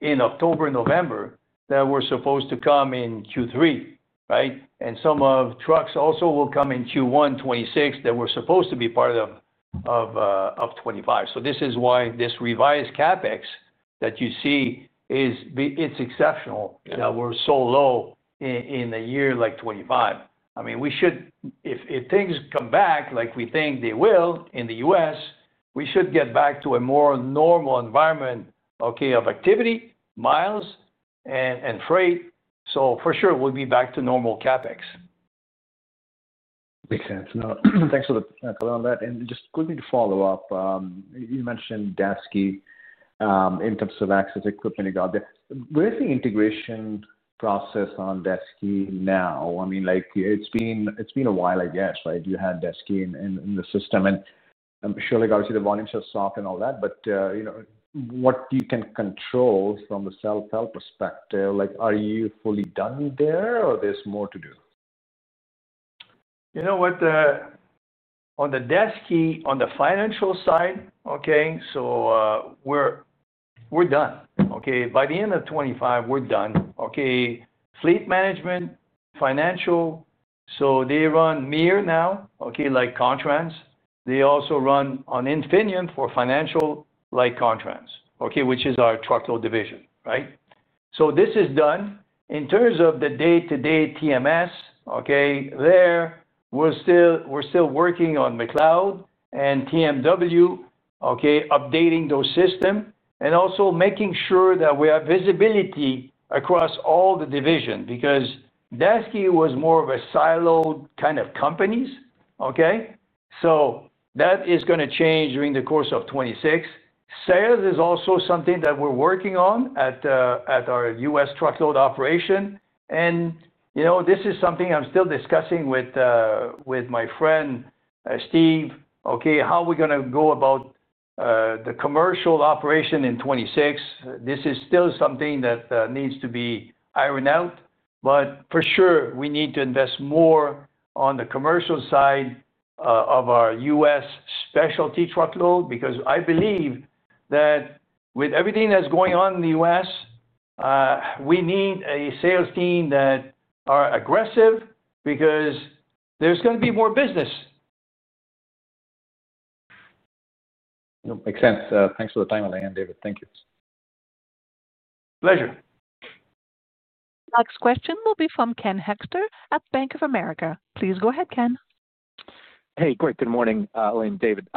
in October and November that were supposed to come in Q3, right? Some of the trucks also will come in Q1 2026 that were supposed to be part of 2025. This is why this revised CapEx that you see is exceptional that we're so low in a year like 2025. I mean, if things come back like we think they will in the U.S., we should get back to a more normal environment, okay, of activity, miles, and freight. For sure, we'll be back to normal CapEx. Makes sense. Thanks for that. Just quickly to follow up, you mentioned Daseke. In terms of access equipment, where's the integration process on Daseke now? I mean, it's been a while, I guess, right? You had Daseke in the system. Surely, obviously, the volumes are soft and all that, but what you can control from the self-help perspective, are you fully done there or is there more to do? You know what? On the Dasky, on the financial side, we're done. By the end of 2025, we're done. Fleet management, financial. They run MIR now, like Contrans. They also run on Infineon for financial, like Contrans, which is our truckload division, right? This is done. In terms of the day-to-day TMS, we're still working on McLeod and TMW, updating those systems and also making sure that we have visibility across all the divisions because Dasky was more of a siloed kind of companies. That is going to change during the course of 2026. Sales is also something that we're working on at our US truckload operation. This is something I'm still discussing with my friend Steve, how are we going to go about the commercial operation in 2026? This is still something that needs to be ironed out. For sure, we need to invest more on the commercial side of our US specialty truckload because I believe that with everything that's going on in the US, we need a sales team that are aggressive because there's going to be more business. Makes sense. Thanks for the time, Alain and David. Thank you. Pleasure. Next question will be from Ken Hekster at Bank of America. Please go ahead, Ken. Hey, great. Good morning, Alain and David.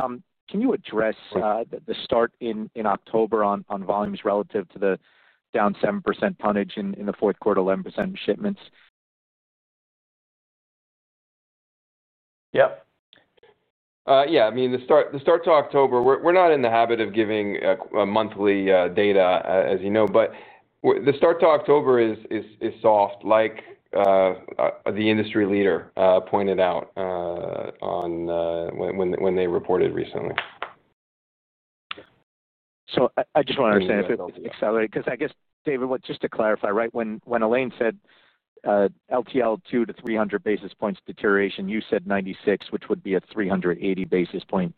Can you address the start in October on volumes relative to the down 7% tonnage in the fourth quarter, 11% shipments? Yeah. I mean, the start to October, we're not in the habit of giving monthly data, as you know. The start to October is soft, like the industry leader pointed out when they reported recently. I just want to understand if it's accelerated because I guess, David, just to clarify, right, when Alain said LTL 2 to 300 basis points deterioration, you said 96, which would be a 380 basis point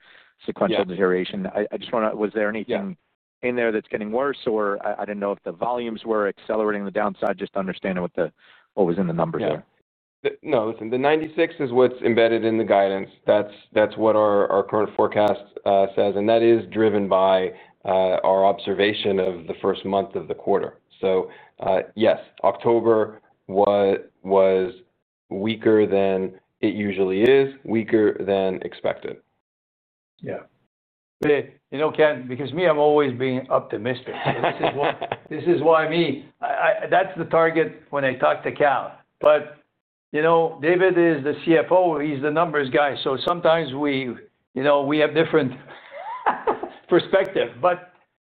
sequential deterioration. I just want to know, was there anything in there that's getting worse? I didn't know if the volumes were accelerating the downside, just to understand what was in the numbers there. Yeah. No, listen, the 96 is what's embedded in the guidance. That's what our current forecast says, and that is driven by our observation of the first month of the quarter. Yes, October was weaker than it usually is, weaker than expected. Yeah. Okay. You know, Ken, because me, I'm always being optimistic. This is why me, that's the target when I talk to Cal. David is the CFO. He's the numbers guy. Sometimes we have different perspective.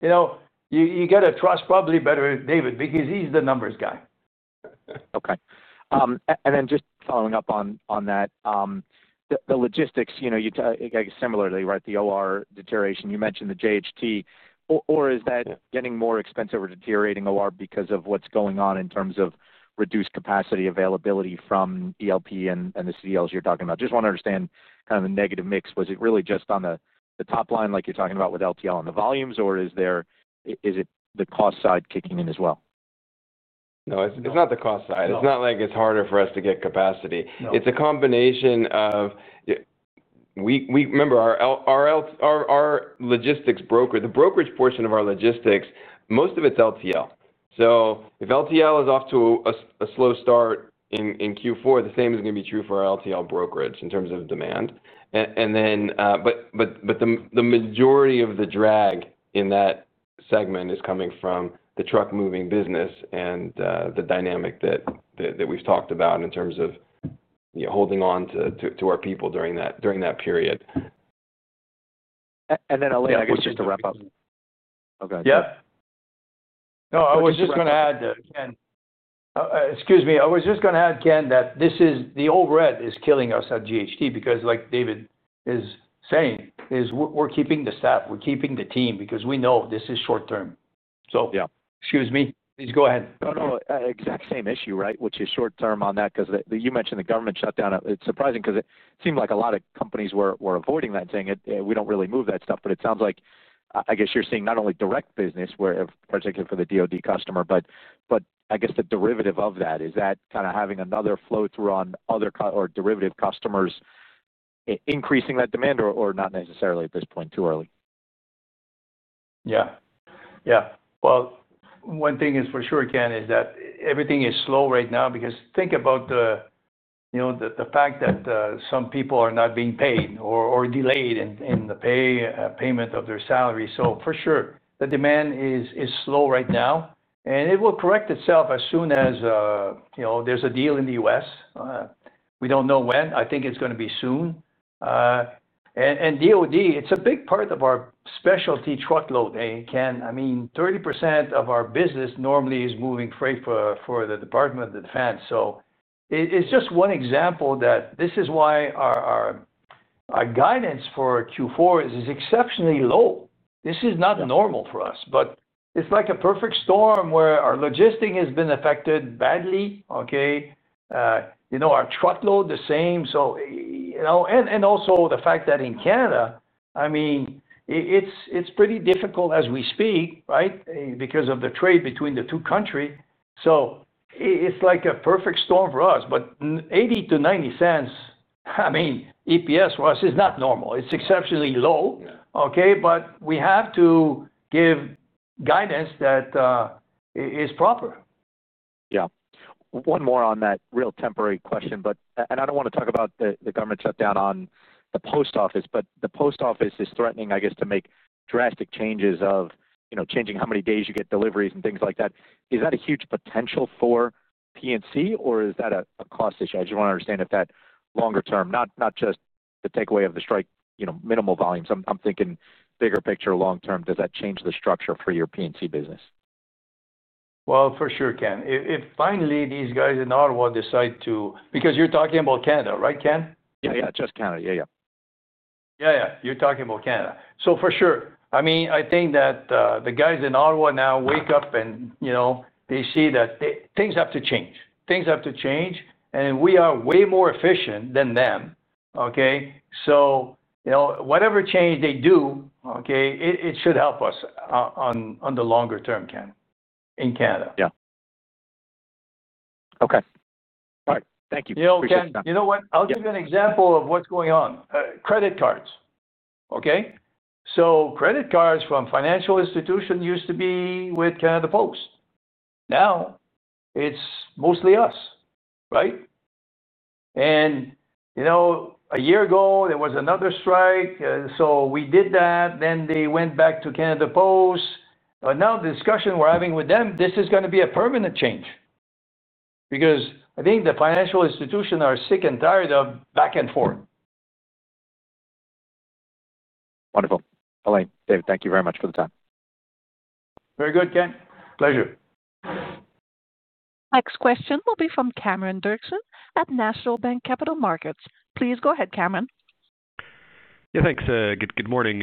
You got to trust probably better David because he's the numbers guy. Okay. Just following up on that, the logistics, you guys similarly, right, the OR deterioration, you mentioned the JHT. Is that getting more expensive or deteriorating OR because of what's going on in terms of reduced capacity availability from ELP and the CDLs you're talking about? I just want to understand kind of the negative mix. Was it really just on the top line like you're talking about with less-than-truckload and the volumes, or is it the cost side kicking in as well? No, it's not the cost side. It's not like it's harder for us to get capacity. It's a combination of. Remember, our logistics brokerage, the brokerage portion of our logistics, most of it's LTL. If LTL is off to a slow start in Q4, the same is going to be true for our LTL brokerage in terms of demand. The majority of the drag in that segment is coming from the truck moving business and the dynamic that we've talked about in terms of holding on to our people during that period. Alain, I guess just to wrap up. I was just going to add, Ken, that this is the old red is killing us at GHT because, like David is saying, we're keeping the staff. We're keeping the team because we know this is short-term. Please go ahead. No, no. Exact same issue, right? Which is short-term on that because you mentioned the government shutdown. It's surprising because it seemed like a lot of companies were avoiding that, saying, "We don't really move that stuff." It sounds like, I guess, you're seeing not only direct business, particularly for the Department of Defense customer, but I guess the derivative of that. Is that kind of having another flow through on other or derivative customers, increasing that demand or not necessarily at this point, too early? Yeah. Yeah. One thing is for sure, Ken, is that everything is slow right now because think about the fact that some people are not being paid or delayed in the payment of their salary. For sure, the demand is slow right now, and it will correct itself as soon as there's a deal in the U.S. We don't know when. I think it's going to be soon. The Department of Defense is a big part of our specialty truckload, Ken. I mean, 30% of our business normally is moving freight for the Department of Defense. It's just one example that this is why our guidance for Q4 is exceptionally low. This is not normal for us. It's like a perfect storm where our logistics has been affected badly, okay? Our truckload, the same. Also, the fact that in Canada, I mean, it's pretty difficult as we speak, right, because of the trade between the two countries. It's like a perfect storm for us. $0.80 to $0.90 EPS for us is not normal. It's exceptionally low, okay? We have to give guidance that is proper. Yeah. One more on that real temporary question. I don't want to talk about the government shutdown on the post office, but the post office is threatening, I guess, to make drastic changes of changing how many days you get deliveries and things like that. Is that a huge potential for P&C, or is that a cost issue? I just want to understand if that longer term, not just the takeaway of the strike, minimal volumes. I'm thinking bigger picture long-term. Does that change the structure for your P&C business? For sure, Ken. If finally these guys in Ottawa decide to because you're talking about Canada, right, Ken? Yeah, just Canada. Yeah. Yeah, yeah. You're talking about Canada. For sure, I mean, I think that the guys in Ottawa now wake up and they see that things have to change. Things have to change. We are way more efficient than them, okay? Whatever change they do, it should help us. On the longer term, Ken, in Canada. Yeah, okay. All right, thank you. You know what? I'll give you an example of what's going on. Credit cards, okay? Credit cards from financial institutions used to be with Canada Post. Now it's mostly us, right? A year ago, there was another strike. We did that. They went back to Canada Post. Now the discussion we're having with them, this is going to be a permanent change because I think the financial institutions are sick and tired of back and forth. Wonderful. Alain, David, thank you very much for the time. Very good, Ken. Pleasure. Next question will be from Cameron Doerksen at National Bank Financial. Please go ahead, Cameron. Yeah, thanks. Good morning.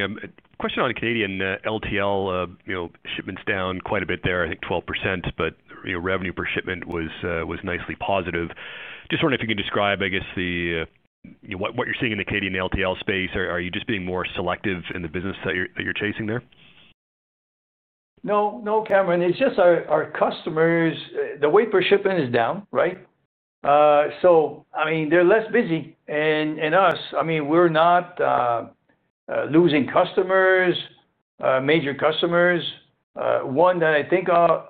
Question on the Canadian less-than-truckload. Shipments down quite a bit there, I think 12%, but revenue per shipment was nicely positive. Just wondering if you can describe, I guess, what you're seeing in the Canadian less-than-truckload space. Are you just being more selective in the business that you're chasing there? No, no, Cameron. It's just our customers, the weight per shipment is down, right? I mean, they're less busy. Us, I mean, we're not losing customers, major customers. One that I think of.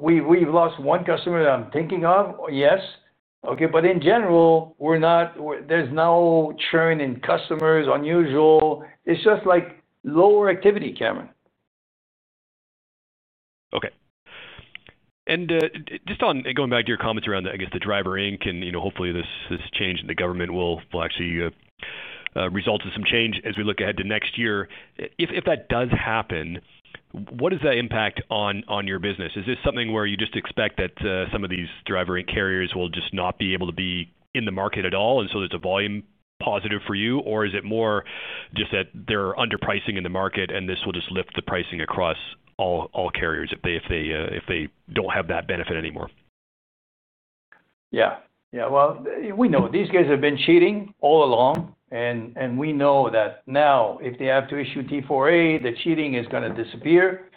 We've lost one customer that I'm thinking of, yes. In general, there's no churn in customers unusual. It's just like lower activity, Cameron. Okay. Just going back to your comments around, I guess, the driver classification, and hopefully this change in the government will actually result in some change as we look ahead to next year. If that does happen, what is the impact on your business? Is this something where you just expect that some of these driver classification carriers will just not be able to be in the market at all, and so there's a volume positive for you? Is it more just that they're underpricing in the market, and this will just lift the pricing across all carriers if they don't have that benefit anymore? Yeah. Yeah. We know these guys have been cheating all along. We know that now, if they have to issue T4A, the cheating is going to disappear.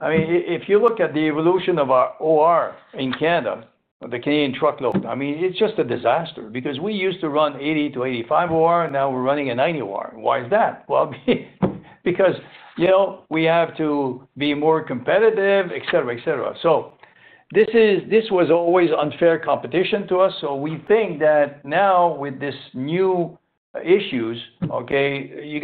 If you look at the evolution of our OR in Canada, the Canadian truckload, it's just a disaster because we used to run 80% to 85% OR, and now we're running a 90% OR. Why is that? Because we have to be more competitive, etc., etc. This was always unfair competition to us. We think that now with these new issues, you're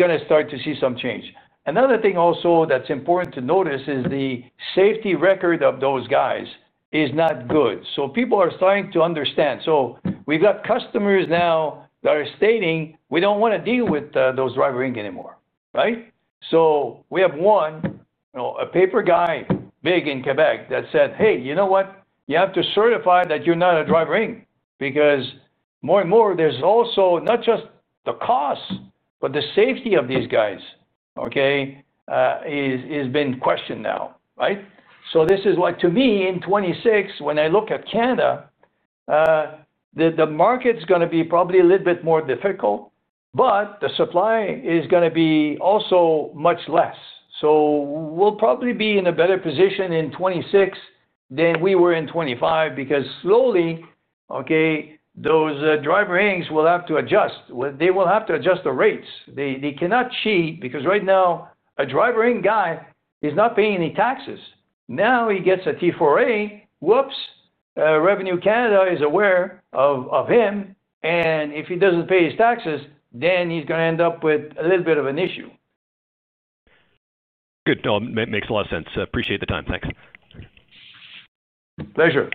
going to start to see some change. Another thing also that's important to notice is the safety record of those guys is not good. People are starting to understand. We've got customers now that are stating, "We don't want to deal with those Driver Inc. anymore," right? We have one, a paper guy big in Quebec that said, "Hey, you know what? You have to certify that you're not a Driver Inc." Because more and more, there's also not just the cost, but the safety of these guys has been questioned now, right? This is why, to me, in 2026, when I look at Canada, the market's going to be probably a little bit more difficult, but the supply is going to be also much less. We'll probably be in a better position in 2026 than we were in 2025 because slowly, those Driver Inc.'s will have to adjust. They will have to adjust the rates. They cannot cheat because right now, a Driver Inc. guy is not paying any taxes. Now he gets a T4A, whoops, Revenue Canada is aware of him. If he doesn't pay his taxes, then he's going to end up with a little bit of an issue. Good. No, it makes a lot of sense. Appreciate the time. Thanks. Pleasure.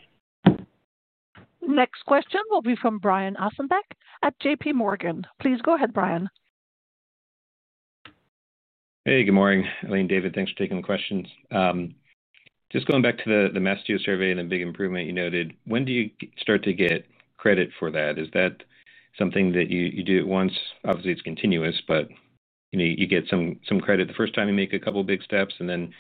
Next question will be from Brian Ossenbeck at JPMorgan. Please go ahead, Brian. Hey, good morning. Alain, David, thanks for taking the questions. Just going back to the Mastio survey and the big improvement you noted, when do you start to get credit for that? Is that something that you do at once? Obviously, it's continuous, but you get some credit the first time you make a couple of big steps, and then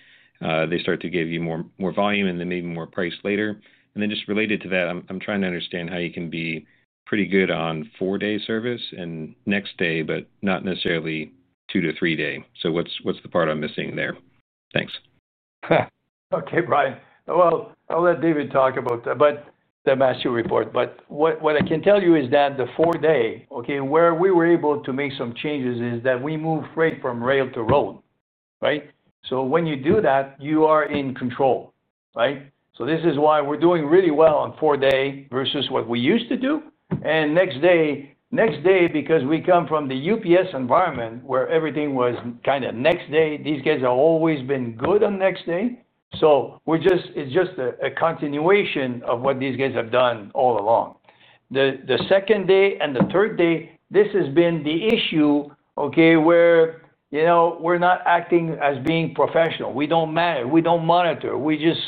they start to give you more volume and then maybe more price later. Just related to that, I'm trying to understand how you can be pretty good on four-day service and next day, but not necessarily two to three day. What's the part I'm missing there? Thanks. Okay, Brian. I'll let David talk about that, the Mastio Report. What I can tell you is that the four-day, where we were able to make some changes, is that we moved freight from rail to road, right? When you do that, you are in control, right? This is why we're doing really well on four-day versus what we used to do. Next day, because we come from the UPS environment where everything was kind of next day, these guys have always been good on next day. It's just a continuation of what these guys have done all along. The second day and the third day, this has been the issue, where we're not acting as being professional. We don't monitor. We just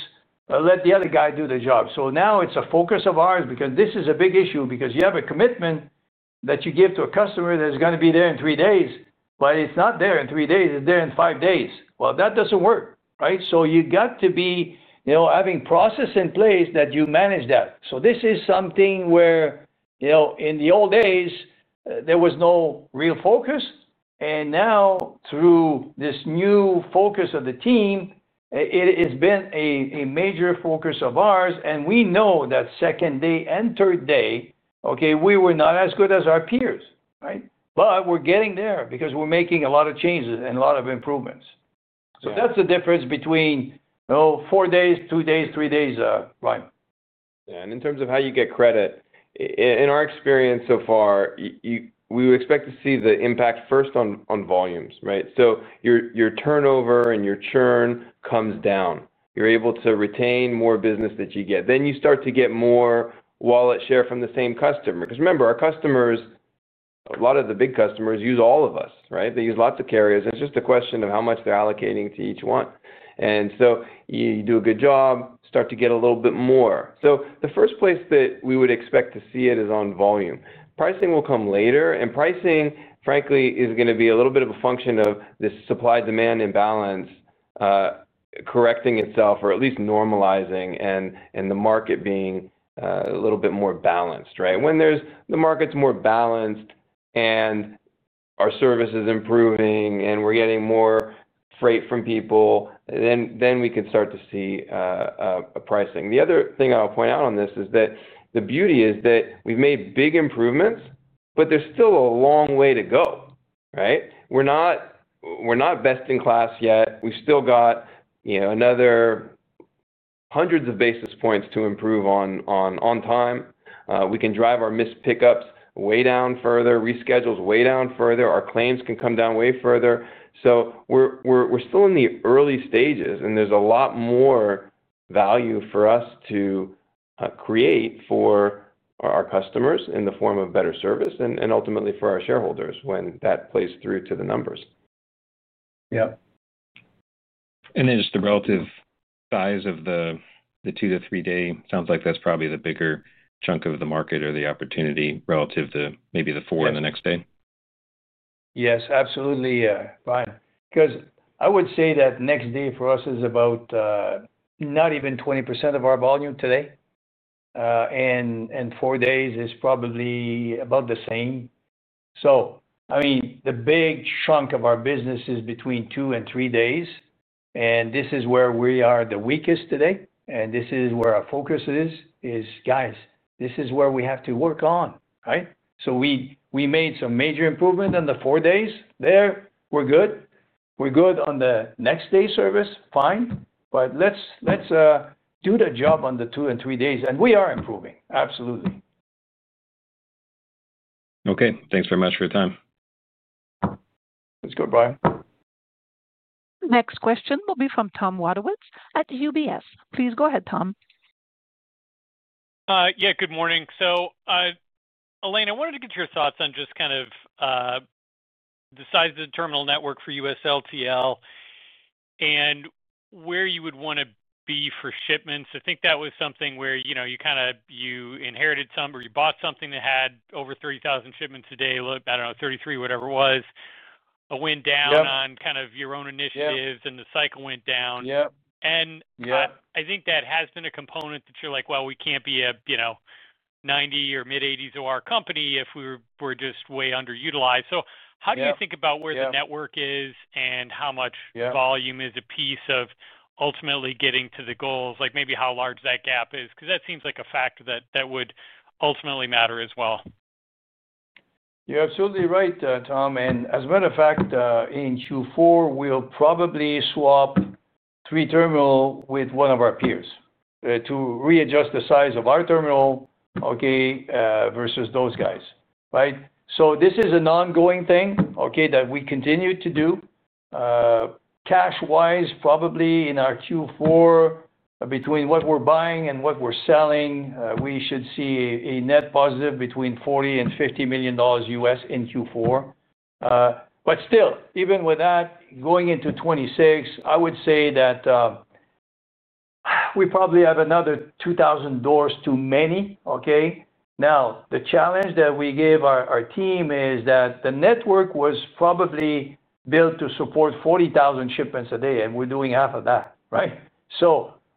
let the other guy do the job. Now it's a focus of ours because this is a big issue because you have a commitment that you give to a customer that's going to be there in three days, but it's not there in three days. It's there in five days. That doesn't work, right? You got to be having process in place that you manage that. This is something where in the old days, there was no real focus. Now, through this new focus of the team, it has been a major focus of ours. We know that second day and third day, we were not as good as our peers, right? We're getting there because we're making a lot of changes and a lot of improvements. That's the difference between four days, two days, three days, Brian. Yeah. In terms of how you get credit, in our experience so far, we would expect to see the impact first on volumes, right? Your turnover and your churn come down. You're able to retain more business that you get. You start to get more wallet share from the same customer. Remember, our customers, a lot of the big customers use all of us, right? They use lots of carriers. It's just a question of how much they're allocating to each one. You do a good job, start to get a little bit more. The first place that we would expect to see it is on volume. Pricing will come later. Pricing, frankly, is going to be a little bit of a function of this supply-demand imbalance correcting itself or at least normalizing and the market being a little bit more balanced, right? When the market's more balanced and our service is improving and we're getting more freight from people, we can start to see a pricing. The other thing I'll point out on this is that the beauty is that we've made big improvements, but there's still a long way to go, right? We're not best in class yet. We've still got another hundreds of basis points to improve on time. We can drive our missed pickups way down further, reschedules way down further. Our claims can come down way further. We're still in the early stages, and there's a lot more value for us to create for our customers in the form of better service and ultimately for our shareholders when that plays through to the numbers. Just the relative size of the two to three day sounds like that's probably the bigger chunk of the market or the opportunity relative to maybe the four and the next day. Yes, absolutely, Brian. I would say that next day for us is about not even 20% of our volume today, and four days is probably about the same. The big chunk of our business is between two and three days. This is where we are the weakest today, and this is where our focus is. Guys, this is where we have to work on, right? We made some major improvement on the four days. There, we're good. We're good on the next-day service, fine. Let's do the job on the two and three days, and we are improving. Absolutely. Okay, thanks very much for your time. Let's go, Brian. Next question will be from Tom Wright at UBS. Please go ahead, Tom. Yeah, good morning. Alain, I wanted to get your thoughts on just kind of the size of the terminal network for US LTL and where you would want to be for shipments. I think that was something where you kind of inherited some, or you bought something that had over 30,000 shipments a day, I don't know, 33, whatever it was. It went down on kind of your own initiatives, and the cycle went down. I think that has been a component that you're like, "We can't be a 90 or mid-80s of our company if we're just way underutilized." How do you think about where the network is and how much volume is a piece of ultimately getting to the goals, like maybe how large that gap is? That seems like a factor that would ultimately matter as well. You're absolutely right, Tom. As a matter of fact, in Q4, we'll probably swap three terminals with one of our peers to readjust the size of our terminal versus those guys, right? This is an ongoing thing that we continue to do. Cash-wise, probably in our Q4, between what we're buying and what we're selling, we should see a net positive between $40 million and $50 million U.S. in Q4. Still, even with that, going into 2026, I would say that we probably have another 2,000 doors too many, okay? Now, the challenge that we give our team is that the network was probably built to support 40,000 shipments a day, and we're doing half of that, right?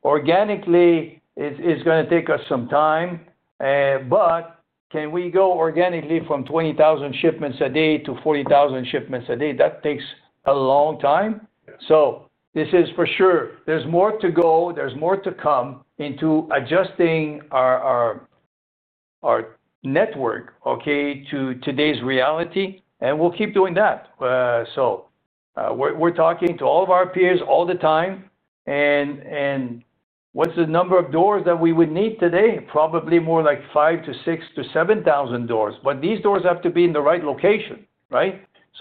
Organically, it's going to take us some time. Can we go organically from 20,000 shipments a day to 40,000 shipments a day? That takes a long time. This is for sure. There's more to go. There's more to come into adjusting our network to today's reality, and we'll keep doing that. We're talking to all of our peers all the time. What's the number of doors that we would need today? Probably more like 5,000 to 6,000 to 7,000 doors, but these doors have to be in the right location, right?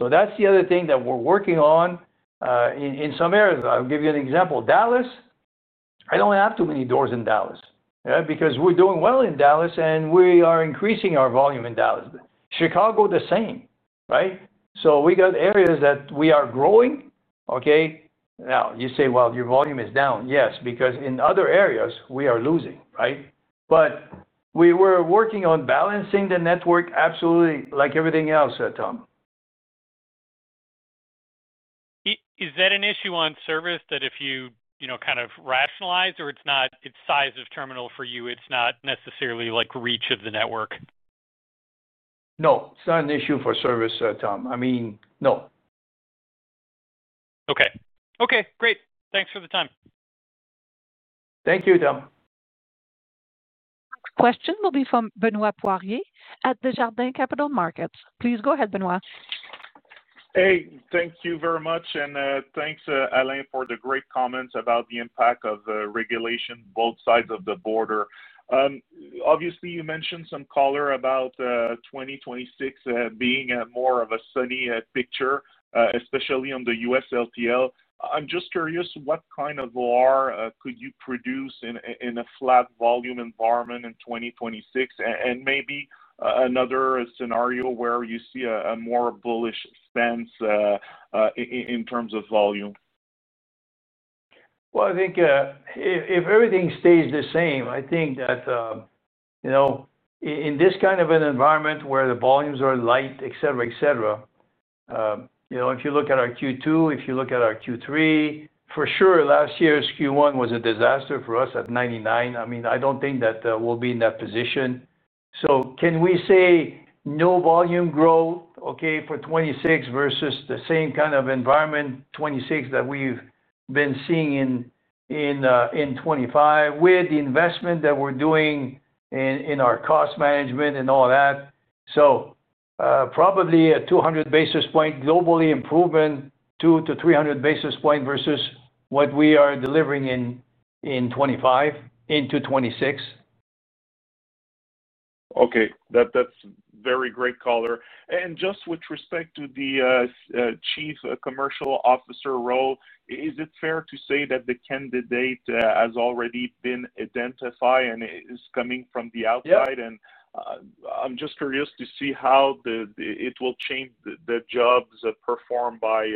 That's the other thing that we're working on. In some areas, I'll give you an example. Dallas, I don't have too many doors in Dallas, right? We're doing well in Dallas, and we are increasing our volume in Dallas. Chicago, the same, right? We got areas that we are growing, okay? You say, "Well, your volume is down." Yes, because in other areas, we are losing, right? We were working on balancing the network, absolutely, like everything else, Tom. Is that an issue on service that if you kind of rationalize, or it's not its size of terminal for you, it's not necessarily like reach of the network? No, it's not an issue for service, Tom. I mean, no. Okay. Great. Thanks for the time. Thank you, Tom. Next question will be from Benoit Poirier at Desjardins Capital Markets. Please go ahead, Benoit. Hey, thank you very much. Thanks, Alain, for the great comments about the impact of regulation on both sides of the border. Obviously, you mentioned some color about 2026 being more of a sunny picture, especially on the U.S. LTL. I'm just curious what kind of OR could you produce in a flat volume environment in 2026, and maybe another scenario where you see a more bullish stance in terms of volume. If everything stays the same, I think that in this kind of an environment where the volumes are light, etc., etc. If you look at our Q2, if you look at our Q3, for sure, last year's Q1 was a disaster for us at 99. I mean, I don't think that we'll be in that position. Can we say no volume growth, okay, for 2026 versus the same kind of environment 2026 that we've been seeing in 2025 with the investment that we're doing in our cost management and all that? Probably a 200 basis point globally improvement, 2 to 300 basis point versus what we are delivering in 2025 into 2026. Okay. That's very great color. Just with respect to the Chief Commercial Officer role, is it fair to say that the candidate has already been identified and is coming from the outside? I'm just curious to see how it will change the jobs performed by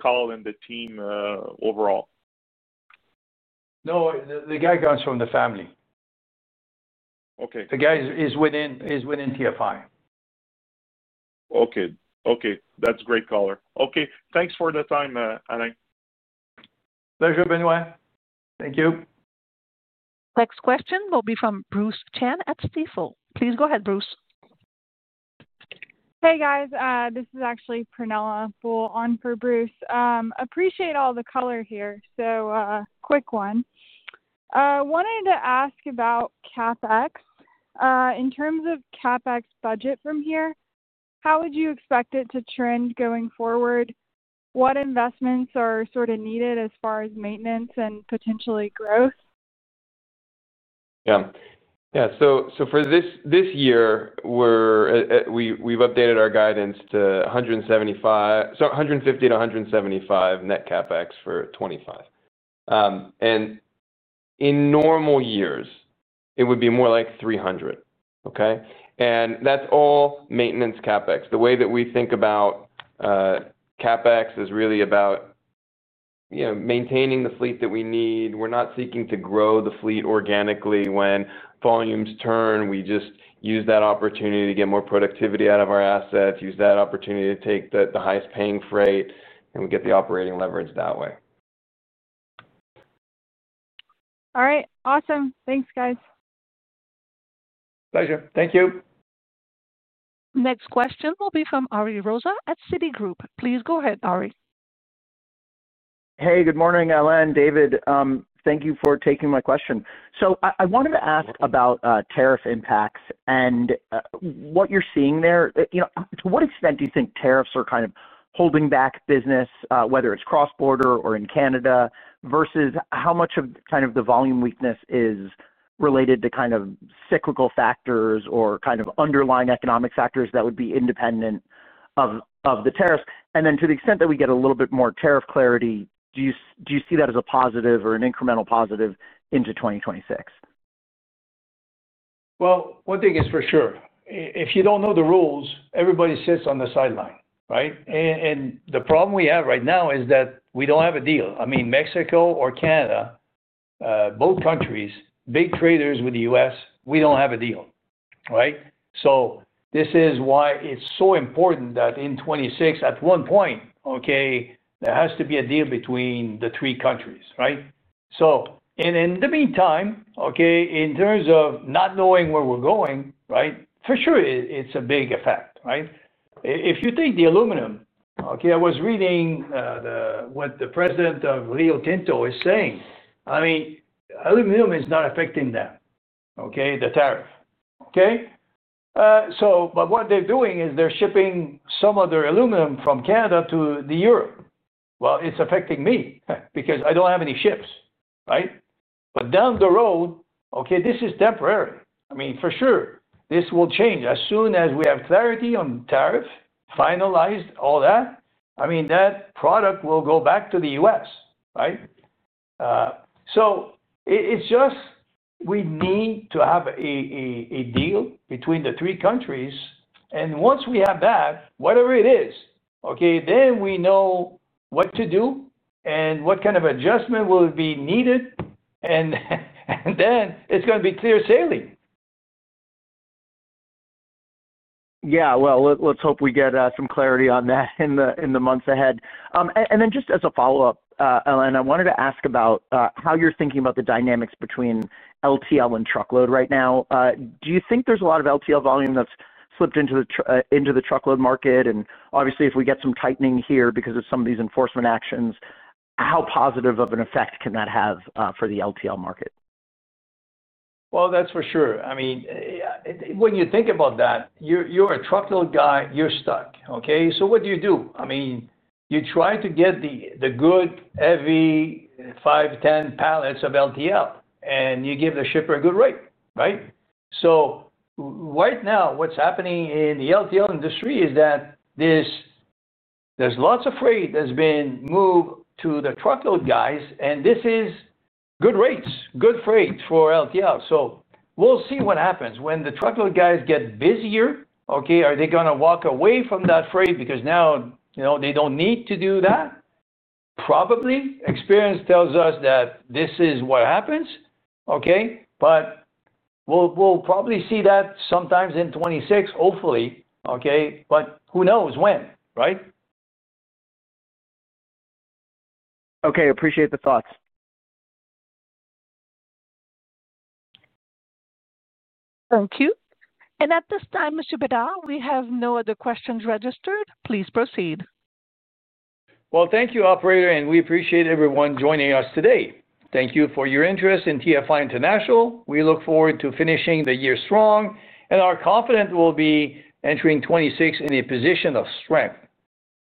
Carl and the team overall. No, the guy comes from the family. The guy is within TFI International. Okay. That's great color. Okay. Thanks for the time, Alain. Pleasure, Benoit. Thank you. Next question will be from Bruce Chen at Stifel. Please go ahead, Bruce. Hey, guys. This is actually Prunella on for Bruce. Appreciate all the color here. Quick one. Wanted to ask about CapEx. In terms of CapEx budget from here, how would you expect it to trend going forward? What investment are sort of needed as far as maintenance and potentially growth. Yeah. For this year, we've updated our guidance to $150 million to $175 million net CapEx for 2025. In normal years, it would be more like $300 million. That's all maintenance CapEx. The way that we think about CapEx is really about maintaining the fleet that we need. We're not seeking to grow the fleet organically when volumes turn. We just use that opportunity to get more productivity out of our assets. Use that opportunity to take the highest paying freight, and we get the operating leverage that way. All right. Awesome. Thanks, guys. Pleasure. Thank you. Next question will be from Ari Rosa at Citigroup. Please go ahead, Ari. Hey, good morning Alain, David. Thank you for taking my question. I wanted to ask about tariff impacts and what you're seeing there. To what extent do you think tariffs are kind of holding back business, whether it's cross-border or in Canada, versus how much of the volume weakness is related to cyclical factors or underlying economic factors that would be independent of the tariffs? To the extent that we get a little bit more tariff clarity, do you see that as a positive or an incremental positive into 2026? One thing is for sure. If you don't know the rules, everybody sits on the sideline, right? The problem we have right now is that we don't have a deal. I mean, Mexico or Canada, both countries are big traders with the US, we don't have a deal, right? This is why it's so important that in 2026 at one point, there has to be a deal between the three countries, right? In the meantime, in terms of not knowing where we're going, for sure it's a big effect, right? If you take the aluminum, I was reading what the President of Rio Tinto is saying. I mean, aluminum is not affecting them, okay? The tariff, okay? What they're doing is they're shipping some of their aluminum from Canada to Europe. It's affecting me because I don't have any ships, right? Down the road, this is temporary. For sure this will change. As soon as we have clarity on tariff finalized, all that, that product will go back to the US, right? We need to have a deal between the three countries. Once we have that, whatever it is, then we know what to do and what kind of adjustment will be needed. Then it's going to be clear sailing. Yeah. Let's hope we get some clarity on that in the months ahead. And then just as a follow-up, Alain, I wanted to ask about how you're thinking about the dynamics between LTL and truckload right now. Do you think there's a lot of LTL volume that's slipped into the truckload market? Obviously, if we get some tightening here because of some of these enforcement actions, how positive of an effect can that have for the LTL market? When you think about that, you're a truckload guy, you're stuck. Okay? What do you do? You try to get the good heavy five or ten pallets of LTL and you give the shipper a good rate, right? Right now, what's happening in the LTL industry is that there's lots of freight that's been moved to the truckload guys and this is good rates, good freight for LTL. We'll see what happens. When the truckload guys get busier, are they going to walk away from that freight because now they don't need to do that? Probably. Experience tells us that this is what happens. We'll probably see that sometime in 2026, hopefully. Who knows when, right? Okay. Appreciate the thoughts. Thank you. At this time, Mr. Bedard, we have no other questions registered. Please proceed. Thank you, operator, and we appreciate everyone joining us today. Thank you for your interest in TFI International. We look forward to finishing the year strong and are confident we'll be entering 2026 in a position of strength.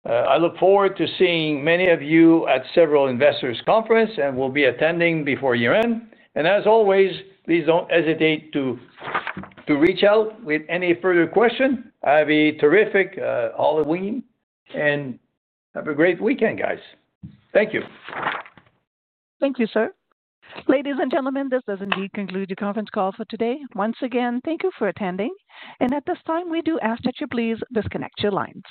I look forward to seeing many of you at several investor conferences we'll be attending before year end. As always, please don't hesitate to reach out with any further questions. Have a terrific Halloween and have a great weekend, guys. Thank you. Thank you, sir. Ladies and gentlemen, this does indeed conclude the conference call for today. Once again, thank you for attending. At this time, we do ask that you please disconnect your lines.